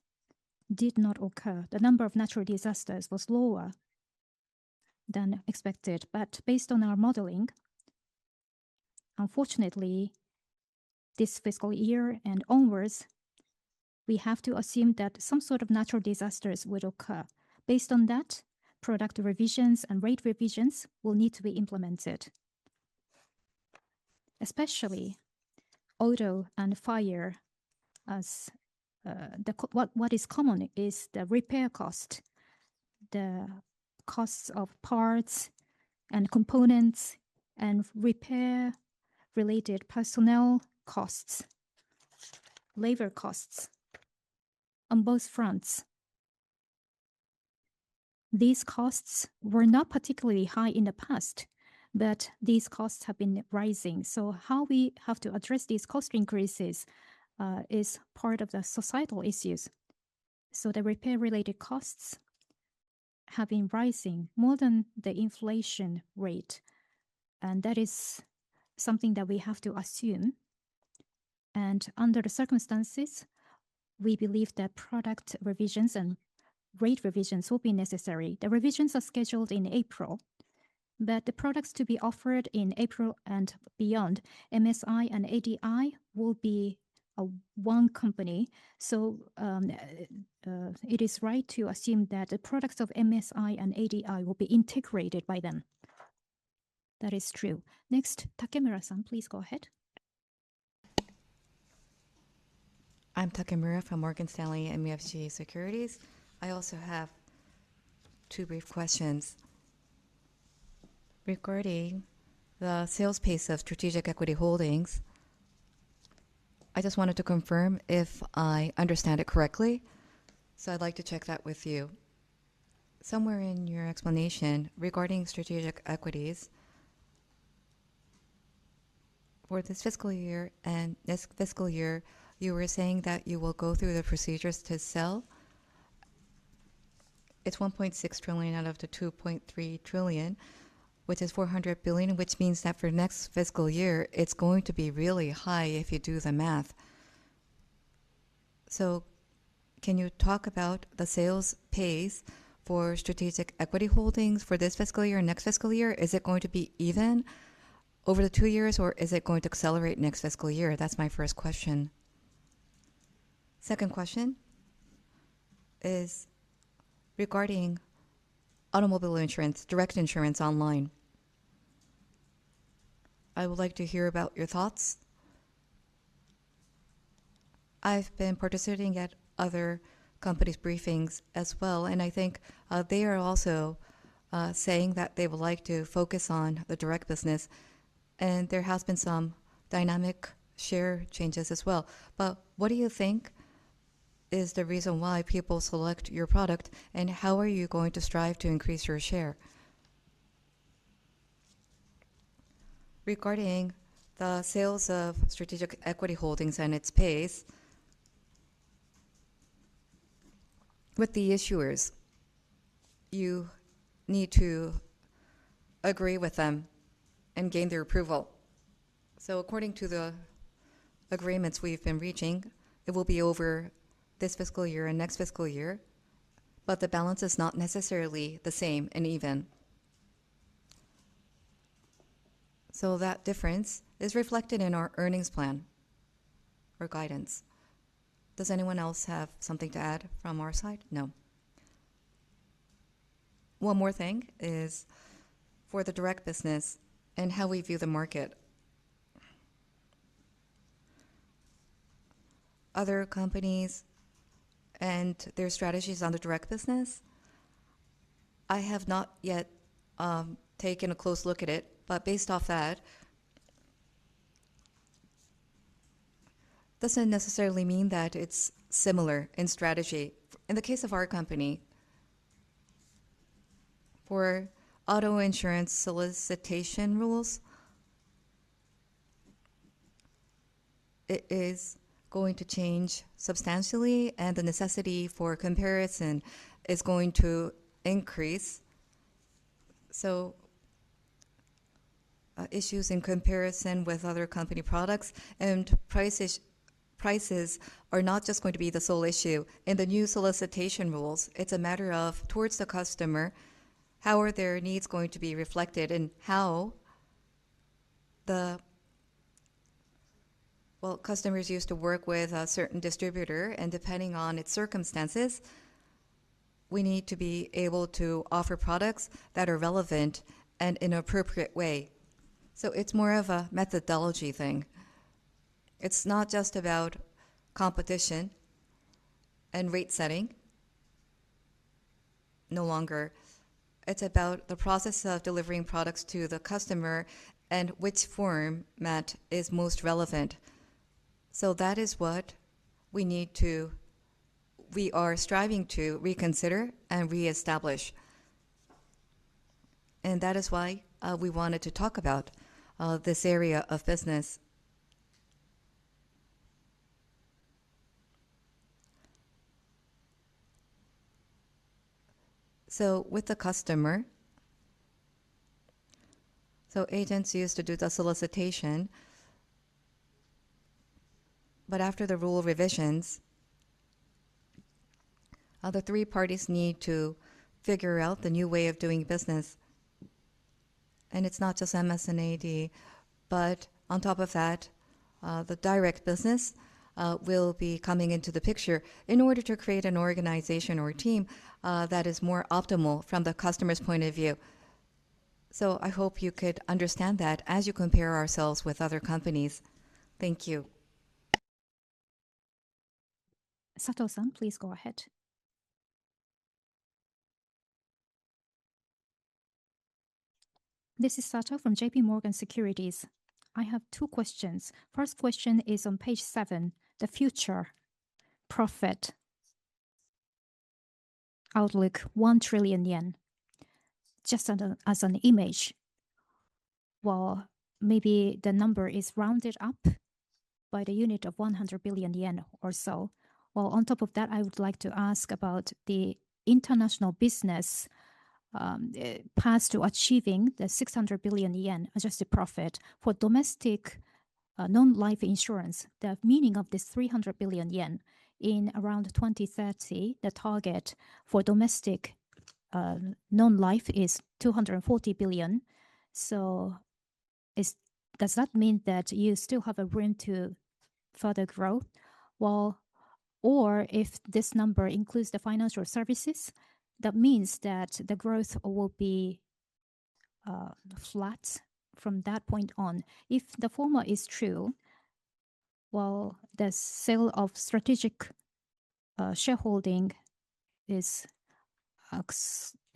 did not occur. The number of natural disasters was lower than expected. Based on our modeling, unfortunately, this fiscal year and onwards, we have to assume that some sort of natural disasters would occur. Based on that, product revisions and rate revisions will need to be implemented. Especially auto and fire, what is common is the repair cost, the costs of parts and components, and repair-related personnel costs, labor costs on both fronts. These costs were not particularly high in the past, but these costs have been rising. How we have to address these cost increases is part of the societal issues. The repair-related costs have been rising more than the inflation rate, and that is something that we have to assume. Under the circumstances, we believe that product revisions and rate revisions will be necessary. The revisions are scheduled in April, but the products to be offered in April and beyond, MSI and ADI will be one company. It is right to assume that the products of MSI and ADI will be integrated by then. That is true. Next, Takemura-san, please go ahead. I'm Takemura from Morgan Stanley MUFG Securities. I also have two brief questions. Regarding the sales pace of strategic equity holdings, I just wanted to confirm if I understand it correctly, so I'd like to check that with you. Somewhere in your explanation regarding strategic equities for this fiscal year and next fiscal year, you were saying that you will go through the procedures to sell. It's 1.6 trillion out of the 2.3 trillion, which is 400 billion, which means that for next fiscal year, it's going to be really high if you do the math. Can you talk about the sales pace for strategic equity holdings for this fiscal year and next fiscal year? Is it going to be even over the two years, or is it going to accelerate next fiscal year? That's my first question. Second question is regarding automobile insurance, direct insurance online. I would like to hear about your thoughts. I've been participating at other companies' briefings as well, and I think they are also saying that they would like to focus on the direct business, and there have been some dynamic share changes as well. What do you think is the reason why people select your product, and how are you going to strive to increase your share? Regarding the sales of strategic equity holdings and its pace, with the issuers, you need to agree with them and gain their approval. According to the agreements we've been reaching, it will be over this fiscal year and next fiscal year, but the balance is not necessarily the same and even. That difference is reflected in our earnings plan or guidance. Does anyone else have something to add from our side? No. One more thing is for the direct business and how we view the market. Other companies and their strategies on the direct business, I have not yet taken a close look at it, but based off that, doesn't necessarily mean that it's similar in strategy. In the case of our company, for auto insurance solicitation rules, it is going to change substantially, and the necessity for comparison is going to increase. Issues in comparison with other company products and prices are not just going to be the sole issue. In the new solicitation rules, it's a matter of, towards the customer, how are their needs going to be reflected? Well, customers used to work with a certain distributor, and depending on its circumstances, we need to be able to offer products that are relevant and in an appropriate way. It's more of a methodology thing. It's no longer just about competition and rate setting. It's about the process of delivering products to the customer and which format is most relevant. That is what we are striving to reconsider and reestablish. That is why we wanted to talk about this area of business. With the customer, so agents used to do the solicitation, but after the rule revisions, the three parties need to figure out the new way of doing business. It's not just MS&AD, but on top of that, the direct business will be coming into the picture in order to create an organization or team that is more optimal from the customer's point of view. I hope you could understand that as you compare ourselves with other companies. Thank you. Sato, please go ahead. This is Sato from J.P. Morgan Securities. I have two questions. First question is on page seven, the future profit outlook, 1 trillion yen. Just as an image, well, maybe the number is rounded up by the unit of 100 billion yen or so. Well, on top of that, I would like to ask about the international business path to achieving the 600 billion yen adjusted profit for domestic non-life insurance. The meaning of this 300 billion yen in around 2030, the target for domestic non-life is 240 billion. Does that mean that you still have a room to further grow? If this number includes the financial services, that means that the growth will be flat from that point on. If the former is true. While the sale of strategic shareholding is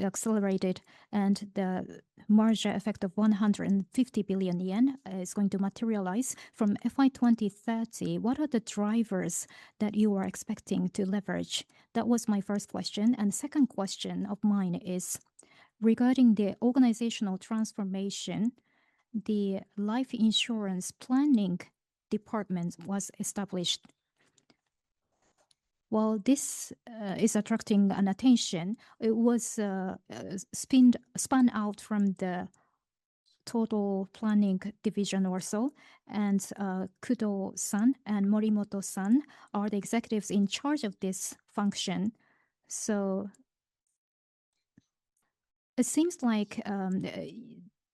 accelerated and the merger effect of 150 billion yen is going to materialize from FY 2030, what are the drivers that you are expecting to leverage? That was my first question. Second question of mine is regarding the organizational transformation. The Life Insurance Planning Department was established. While this is attracting attention, it was spun out from the Total Planning Division or so, and Kudo-san and Morimoto-san are the executives in charge of this function. It seems like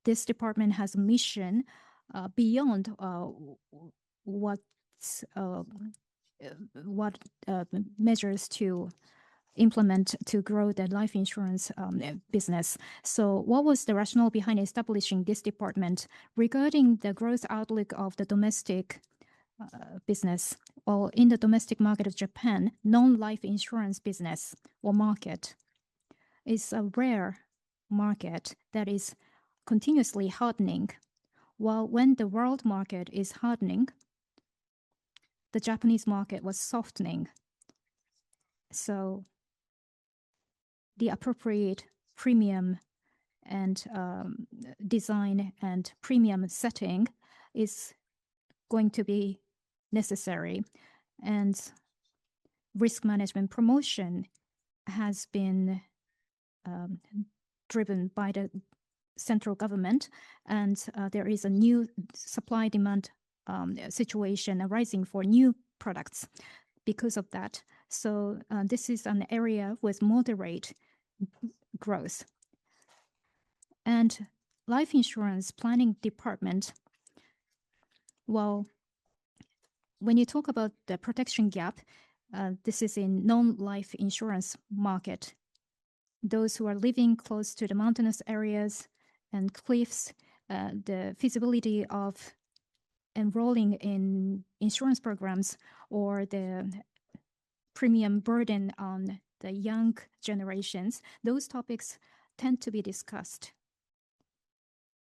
this department has a mission beyond what measures to implement to grow the life insurance business. What was the rationale behind establishing this department? Regarding the growth outlook of the domestic business, well, in the domestic market of Japan, non-life insurance business or market is a rare market that is continuously hardening, while when the world market is hardening, the Japanese market was softening. The appropriate premium and design and premium setting is going to be necessary, and risk management promotion has been driven by the central government, and there is a new supply-demand situation arising for new products because of that. This is an area with moderate growth. Life Insurance Planning Department, well, when you talk about the protection gap, this is a non-life insurance market. Those who are living close to the mountainous areas and cliffs, the feasibility of enrolling in insurance programs or the premium burden on the young generations, those topics tend to be discussed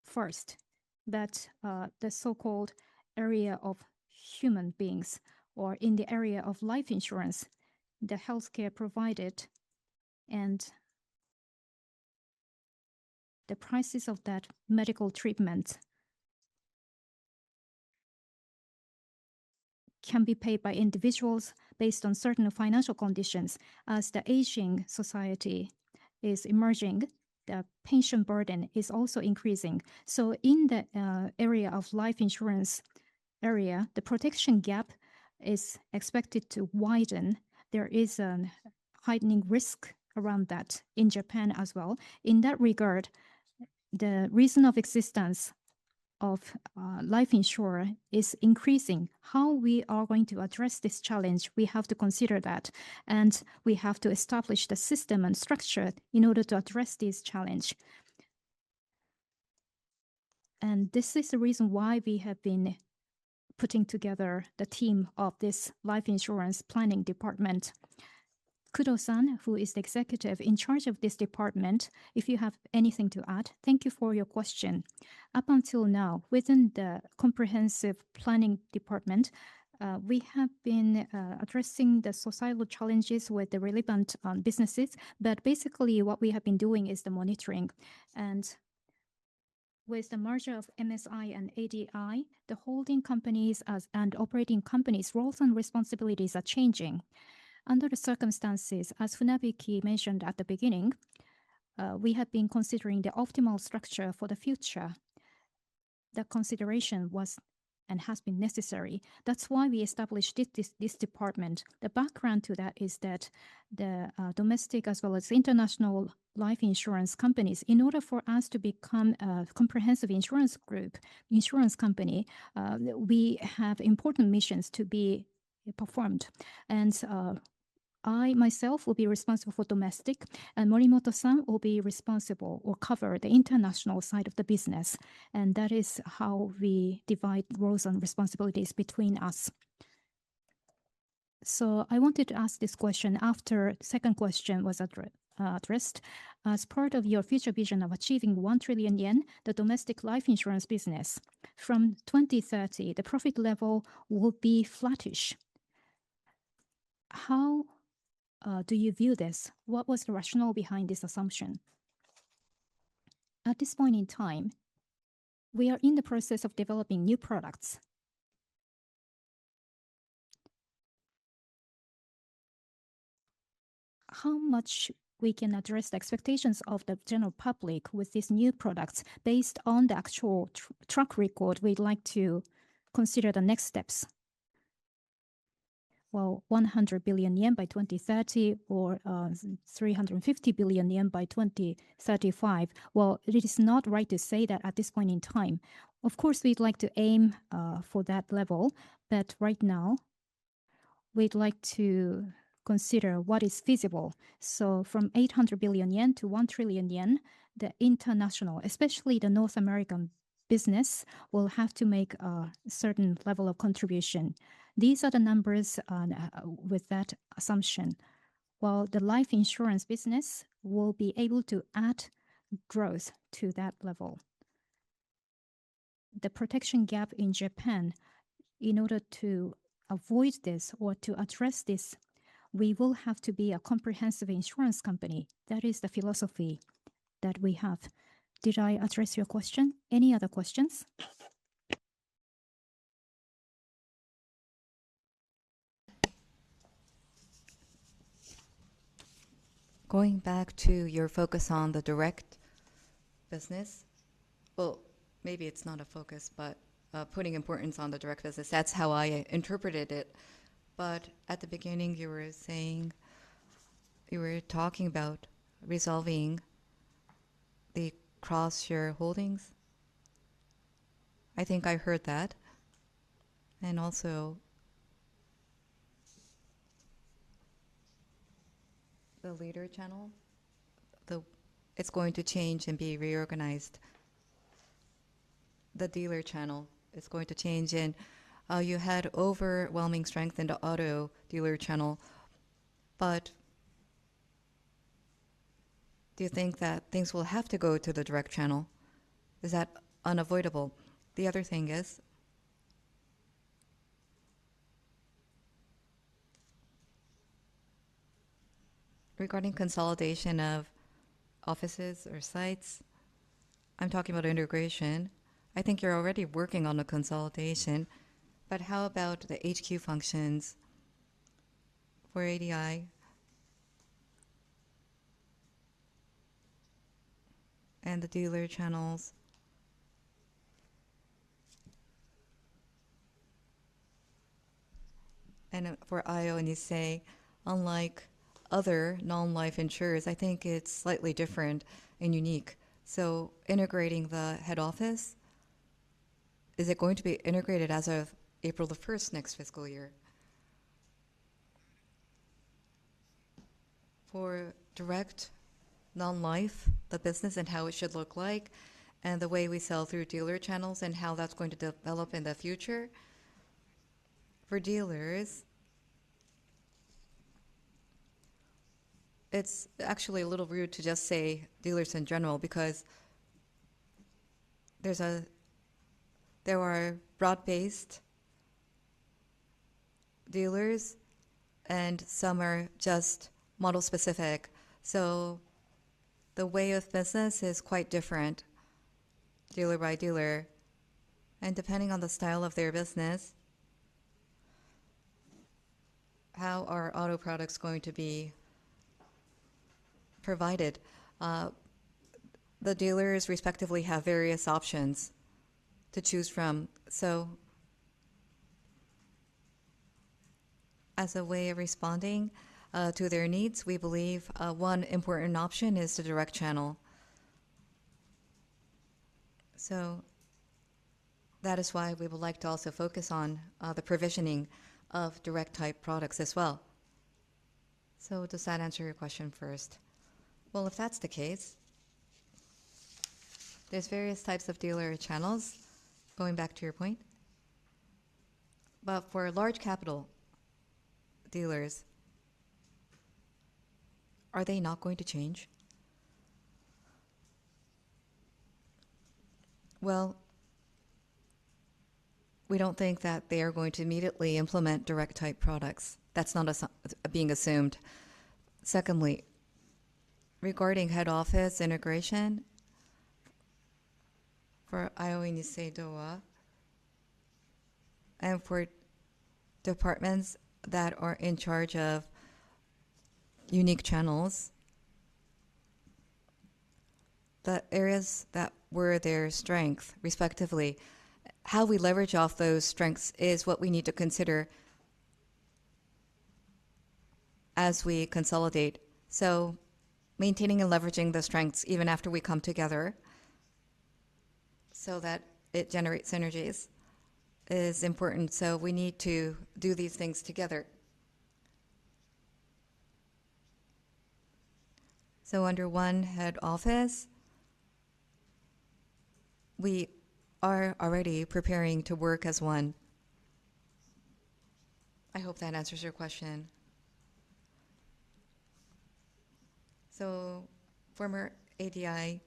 first, that the so-called area of human beings, or in the area of life insurance, the healthcare provided and the prices of that medical treatment can be paid by individuals based on certain financial conditions. As the aging society is emerging, the pension burden is also increasing. In the area of life insurance area, the protection gap is expected to widen. There is a heightening risk around that in Japan as well. In that regard, the reason of existence of life insurer is increasing. How we are going to address this challenge, we have to consider that, and we have to establish the system and structure in order to address this challenge. This is the reason why we have been putting together the team of this Life Insurance Planning Department. Kudo-san, who is the executive in charge of this department, if you have anything to add. Thank you for your question. Up until now, within the Comprehensive Planning Department, we have been addressing the societal challenges with the relevant businesses. Basically, what we have been doing is the monitoring. With the merger of MSI and ADI, the holding companies and operating companies' roles and responsibilities are changing. Under the circumstances, as Funabiki mentioned at the beginning, we have been considering the optimal structure for the future. The consideration was, and has been necessary. That's why we established this department. The background to that is that the domestic as well as international life insurance companies, in order for us to become a comprehensive insurance group, insurance company, we have important missions to be performed. I, myself, will be responsible for domestic, and Morimoto-san will be responsible or cover the international side of the business, and that is how we divide roles and responsibilities between us. I wanted to ask this question after second question was addressed. As part of your future vision of achieving 1 trillion yen, the domestic life insurance business from 2030, the profit level will be flattish. How do you view this? What was the rationale behind this assumption? At this point in time, we are in the process of developing new products. How much we can address the expectations of the general public with these new products based on the actual track record, we'd like to consider the next steps. Well, 100 billion yen by 2030, or 350 billion yen by 2035. Well, it is not right to say that at this point in time. Of course, we'd like to aim for that level, but right now we'd like to consider what is feasible. From 800 billion yen to 1 trillion yen, the international, especially the North American business, will have to make a certain level of contribution. These are the numbers with that assumption, while the life insurance business will be able to add growth to that level. The protection gap in Japan, in order to avoid this or to address this, we will have to be a comprehensive insurance company. That is the philosophy that we have. Did I address your question? Any other questions? Going back to your focus on the direct business. Well, maybe it's not a focus, putting importance on the direct business, that's how I interpreted it. At the beginning you were talking about resolving the cross-share holdings. I think I heard that. Also, the dealer channel, it's going to change and be reorganized. The dealer channel is going to change and you had overwhelming strength in the auto dealer channel. Do you think that things will have to go to the direct channel? Is that unavoidable? The other thing is regarding consolidation of offices or sites. I'm talking about integration. I think you're already working on the consolidation, but how about the HQ functions for ADI and the dealer channels? For Aioi, when you say unlike other non-life insurers, I think it's slightly different and unique. Integrating the head office, is it going to be integrated as of April 1st, next fiscal year? For direct non-life, the business and how it should look like, and the way we sell through dealer channels and how that's going to develop in the future. For dealers, it's actually a little rude to just say dealers in general because there are broad-based dealers and some are just model specific. The way of business is quite different dealer by dealer, and depending on the style of their business, how are auto products going to be provided? The dealers respectively have various options to choose from. As a way of responding to their needs, we believe one important option is the direct channel. That is why we would like to also focus on the provisioning of direct type products as well. Does that answer your question first? Well, if that's the case, there's various types of dealer channels, going back to your point. For large capital dealers, are they not going to change? Well, we don't think that they are going to immediately implement direct type products. That's not being assumed. Secondly, regarding head office integration for Aioi and for departments that are in charge of unique channels, the areas that were their strength respectively, how we leverage off those strengths is what we need to consider as we consolidate. Maintaining and leveraging the strengths even after we come together so that it generates synergies is important. We need to do these things together. Under one head office, we are already preparing to work as one. I hope that answers your question. Former ADI,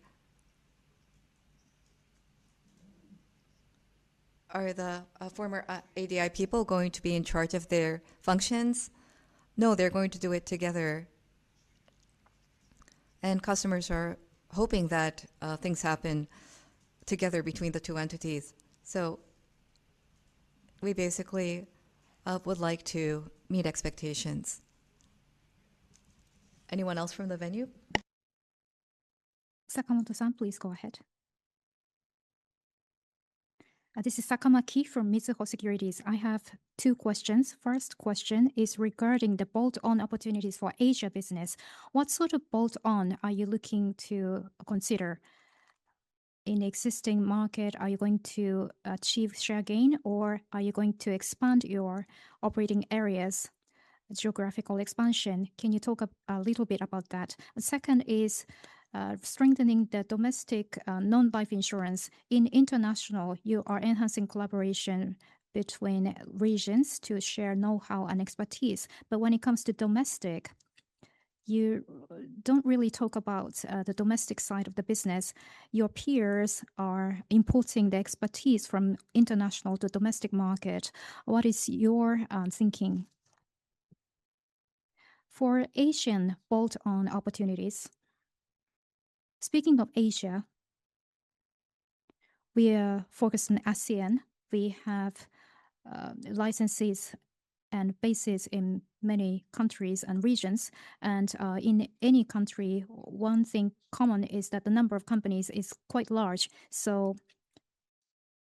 are the former ADI people going to be in charge of their functions? No, they're going to do it together. Customers are hoping that things happen together between the two entities. We basically would like to meet expectations. Anyone else from the venue? Sakamaki-san, please go ahead. This is Sakamaki from Mizuho Securities. I have two questions. First question is regarding the bolt-on opportunities for Asia business. What sort of bolt-on are you looking to consider? In existing market, are you going to achieve share gain, or are you going to expand your operating areas, geographical expansion? Can you talk a little bit about that? The second is strengthening the domestic non-life insurance. In international, you are enhancing collaboration between regions to share know-how and expertise. When it comes to domestic, you don't really talk about the domestic side of the business. Your peers are importing the expertise from international to domestic market. What is your thinking? For Asian bolt-on opportunities, speaking of Asia, we are focused on ASEAN. We have licenses and bases in many countries and regions. In any country, one thing common is that the number of companies is quite large.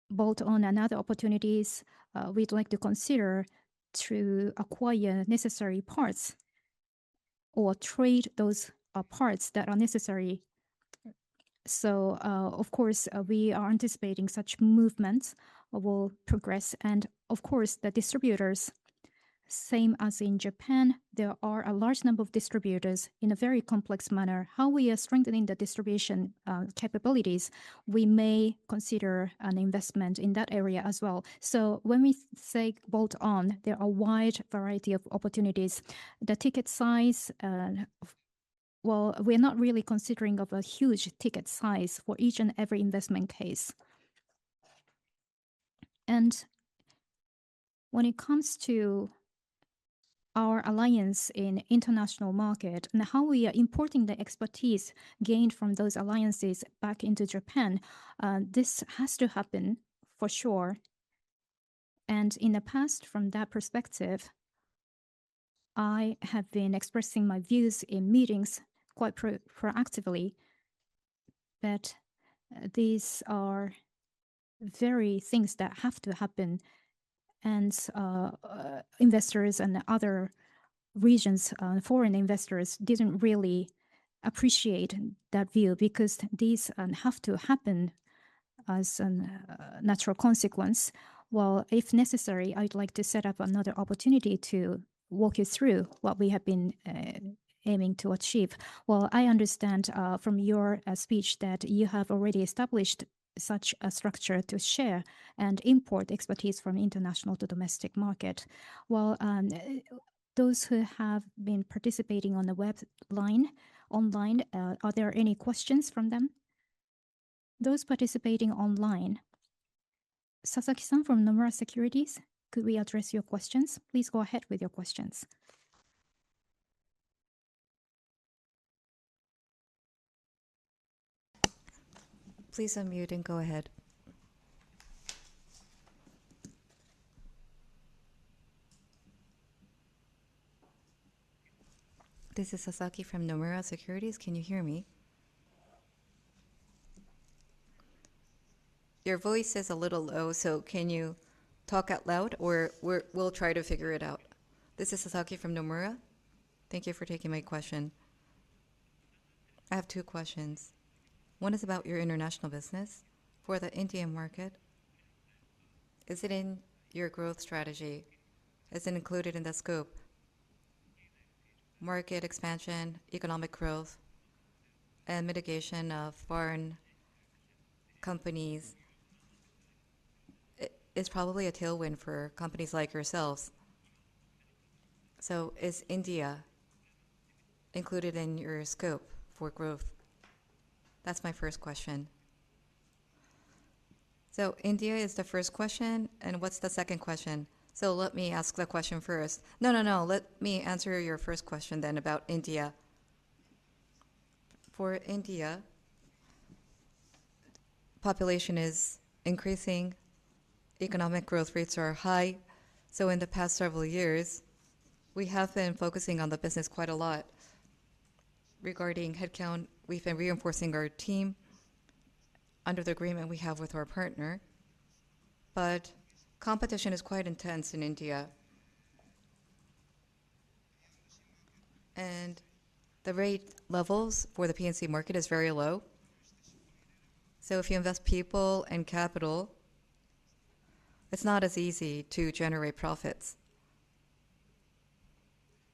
Bolt-on and other opportunities, we'd like to consider to acquire necessary parts or trade those parts that are necessary. Of course, we are anticipating such movements will progress, and of course, the distributors, same as in Japan, there are a large number of distributors in a very complex manner. How we are strengthening the distribution capabilities, we may consider an investment in that area as well. When we say bolt-on, there are wide variety of opportunities. The ticket size, well, we are not really considering of a huge ticket size for each and every investment case. When it comes to our alliance in international market and how we are importing the expertise gained from those alliances back into Japan, this has to happen for sure. In the past, from that perspective, I have been expressing my views in meetings quite proactively that these are very things that have to happen. Investors in other regions, foreign investors, didn't really appreciate that view because these have to happen as a natural consequence. Well, if necessary, I'd like to set up another opportunity to walk you through what we have been aiming to achieve. Well, I understand from your speech that you have already established such a structure to share and import expertise from international to domestic market. Well, those who have been participating online, are there any questions from them? Those participating online. Sasaki-san from Nomura Securities, could we address your questions? Please go ahead with your questions. This is Sasaki from Nomura Securities. Can you hear me? Your voice is a little low, so can you talk out loud? Or we'll try to figure it out. This is Sasaki from Nomura. Thank you for taking my question. I have two questions. One is about your international business. For the Indian market, is it in your growth strategy? Is it included in the scope? Market expansion, economic growth, and participation of foreign companies is probably a tailwind for companies like yourselves. Is India included in your scope for growth? That's my first question. India is the first question, and what's the second question? Let me ask the question first. No, let me answer your first question then about India. For India, population is increasing, economic growth rates are high. In the past several years, we have been focusing on the business quite a lot. Regarding headcount, we've been reinforcing our team under the agreement we have with our partner. Competition is quite intense in India, and the rate levels for the P&C market is very low. If you invest people and capital, it's not as easy to generate profits.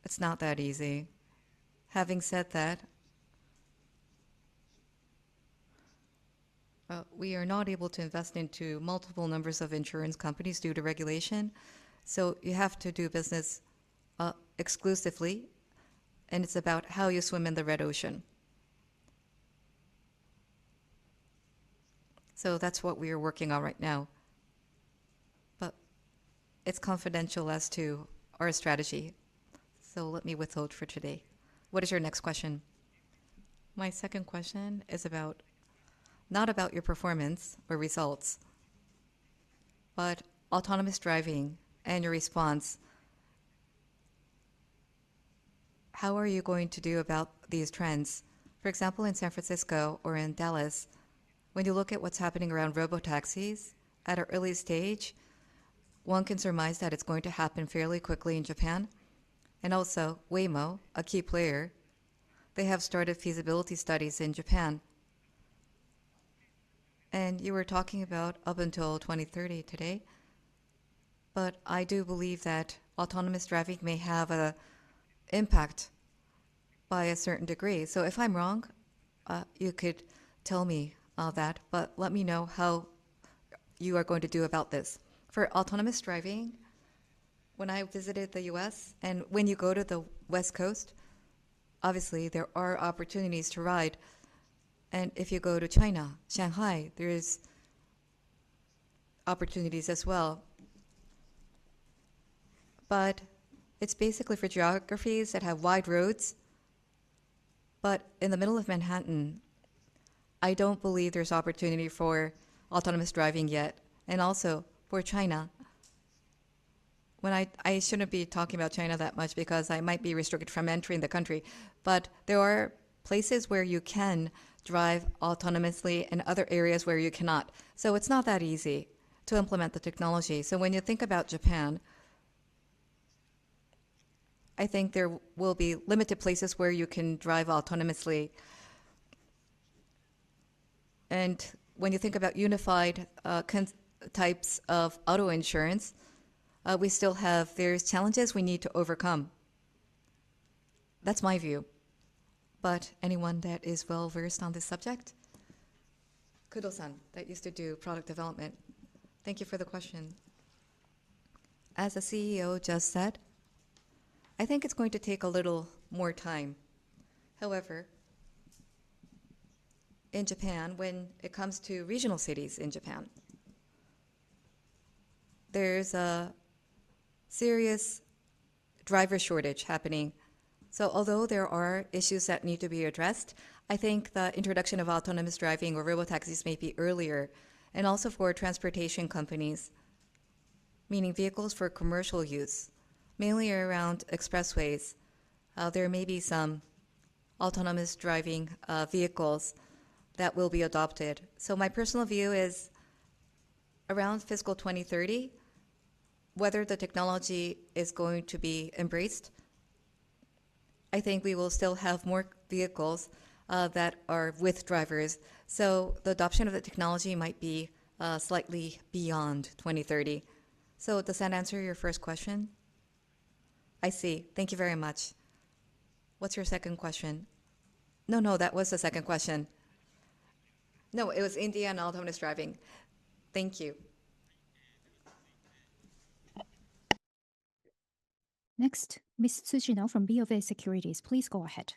It's not that easy. Having said that, we are not able to invest into multiple numbers of insurance companies due to regulation, so you have to do business exclusively, and it's about how you swim in the red ocean. That's what we are working on right now. It's confidential as to our strategy. Let me withhold for today. What is your next question? My second question is not about your performance or results, but autonomous driving and your response. How are you going to do about these trends? For example, in San Francisco or in Dallas, when you look at what's happening around robotaxis at an early stage 1, one can surmise that it's going to happen fairly quickly in Japan. Also Waymo, a key player, they have started feasibility studies in Japan. You were talking about up until 2030 today, I do believe that autonomous driving may have an impact by a certain degree. If I'm wrong, you could tell me that, let me know how you are going to do about this. For autonomous driving, when I visited the U.S. and when you go to the West Coast, obviously there are opportunities to ride. If you go to China, Shanghai, there is opportunities as well. It's basically for geographies that have wide roads. In the middle of Manhattan, I don't believe there's opportunity for autonomous driving yet. Also for China. I shouldn't be talking about China that much because I might be restricted from entering the country. There are places where you can drive autonomously and other areas where you cannot. It's not that easy to implement the technology. When you think about Japan, I think there will be limited places where you can drive autonomously. When you think about unified types of auto insurance, we still have various challenges we need to overcome. That's my view. Anyone that is well-versed on this subject? Kudo-san, that used to do product development. Thank you for the question. As the CEO just said, I think it's going to take a little more time. In Japan, when it comes to regional cities in Japan, there is a serious driver shortage happening. Although there are issues that need to be addressed, I think the introduction of autonomous driving or robotaxis may be earlier. Also for transportation companies, meaning vehicles for commercial use, mainly around expressways, there may be some autonomous driving vehicles that will be adopted. My personal view is around fiscal 2030, whether the technology is going to be embraced, I think we will still have more vehicles that are with drivers. The adoption of the technology might be slightly beyond 2030. Does that answer your first question? I see. Thank you very much. What's your second question? No, that was the second question. No, it was India and autonomous driving. Thank you. Next, Ms. Tsujino from BofA Securities. Please go ahead.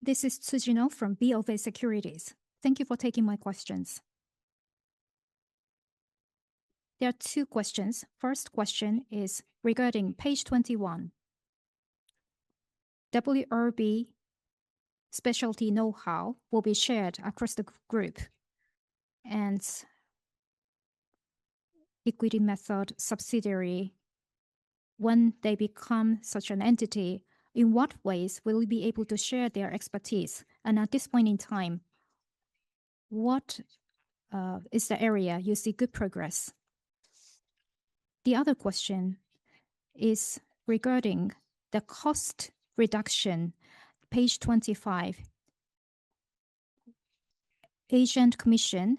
This is Tsujino from BofA Securities. Thank you for taking my questions. There are two questions. First question is regarding page 21. W. R. Berkley specialty know-how will be shared across the group and equity method subsidiary. When they become such an entity, in what ways will we be able to share their expertise? At this point in time, what is the area you see good progress? The other question is regarding the cost reduction, page 25. Agent commission,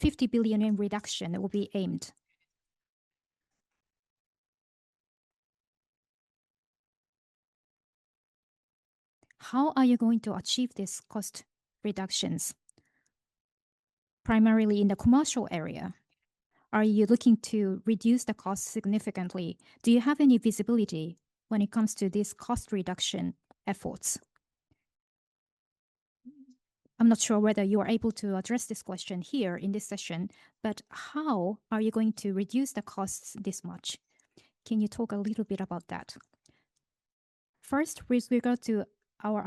50 billion in reduction will be aimed. How are you going to achieve these cost reductions? Primarily in the commercial area, are you looking to reduce the cost significantly? Do you have any visibility when it comes to these cost reduction efforts? I'm not sure whether you are able to address this question here in this session, but how are you going to reduce the costs this much? Can you talk a little bit about that? First, with regard to our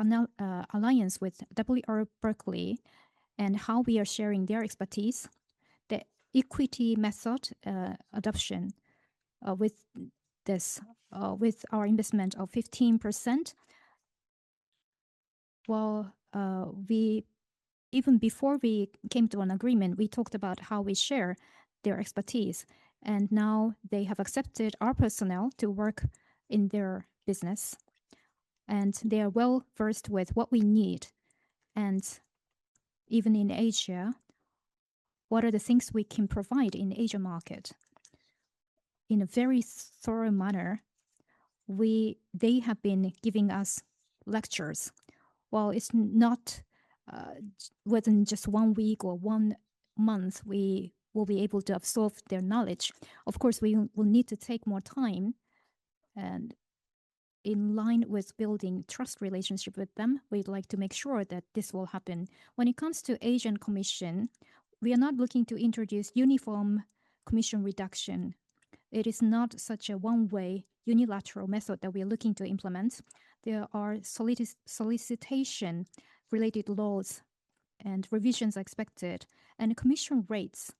alliance with W. R. Berkley and how we are sharing their expertise, the equity method adoption with our investment of 15%. Well, even before we came to an agreement, we talked about how we share their expertise, and now they have accepted our personnel to work in their business, and they are well-versed with what we need. Even in Asia, what are the things we can provide in Asia market? In a very thorough manner, they have been giving us lectures. While it's not within just one week or one month, we will be able to absorb their knowledge. Of course, we will need to take more time, and in line with building trust relationship with them, we'd like to make sure that this will happen. When it comes to agent commission, we are not looking to introduce uniform commission reduction. It is not such a one-way unilateral method that we are looking to implement. There are solicitation-related laws and revisions expected, and commission rates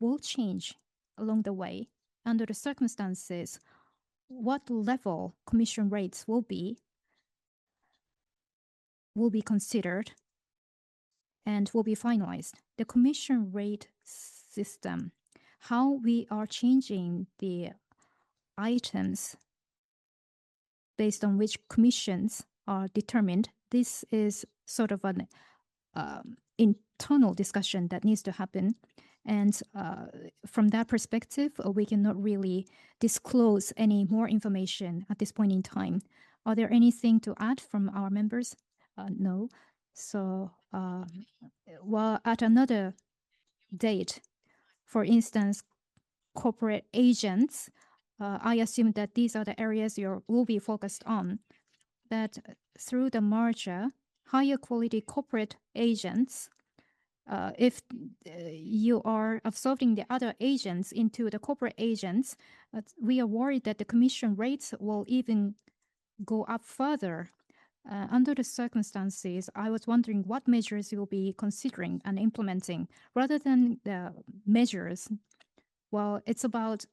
will change along the way under the circumstances what level commission rates will be considered and will be finalized. The commission rate system, how we are changing the items based on which commissions are determined, this is sort of an internal discussion that needs to happen. From that perspective, we cannot really disclose any more information at this point in time. Are there anything to add from our members? No. While at another date, for instance, corporate agents, I assume that these are the areas you will be focused on, that through the merger, higher quality corporate agents, if you are absorbing the other agents into the corporate agents, we are worried that the commission rates will even go up further. Under the circumstances, I was wondering what measures you will be considering and implementing. Rather than the measures, well, it's about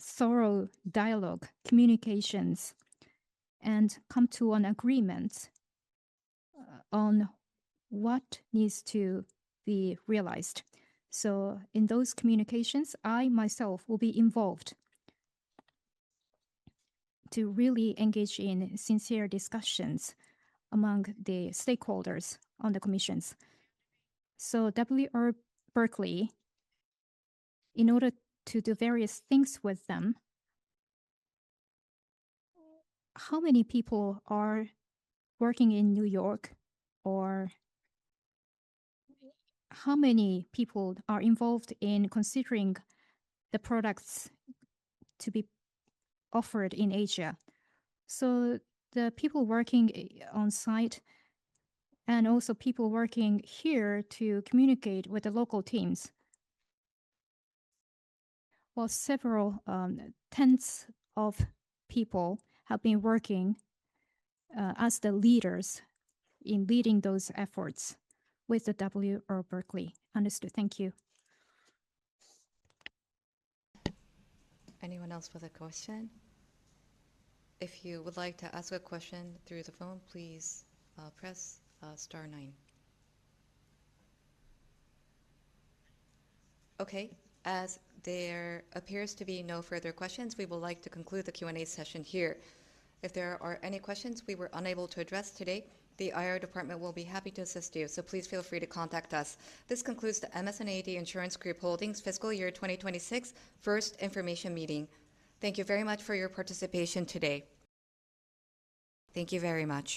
thorough dialogue, communications, and come to an agreement on what needs to be realized. In those communications, I myself will be involved to really engage in sincere discussions among the stakeholders on the commissions. W. R. Berkley, in order to do various things with them, how many people are working in New York, or how many people are involved in considering the products to be offered in Asia? The people working on site and also people working here to communicate with the local teams. Well, several tens of people have been working as the leaders in leading those efforts with W. R. Berkley. Understood. Thank you. Anyone else with a question? If you would like to ask a question through the phone, please press star nine. Okay. As there appears to be no further questions, we would like to conclude the Q&A session here. If there are any questions we were unable to address today, the IR department will be happy to assist you, so please feel free to contact us. This concludes the MS&AD Insurance Group Holdings Fiscal Year 2026 First Information Meeting. Thank you very much for your participation today. Thank you very much.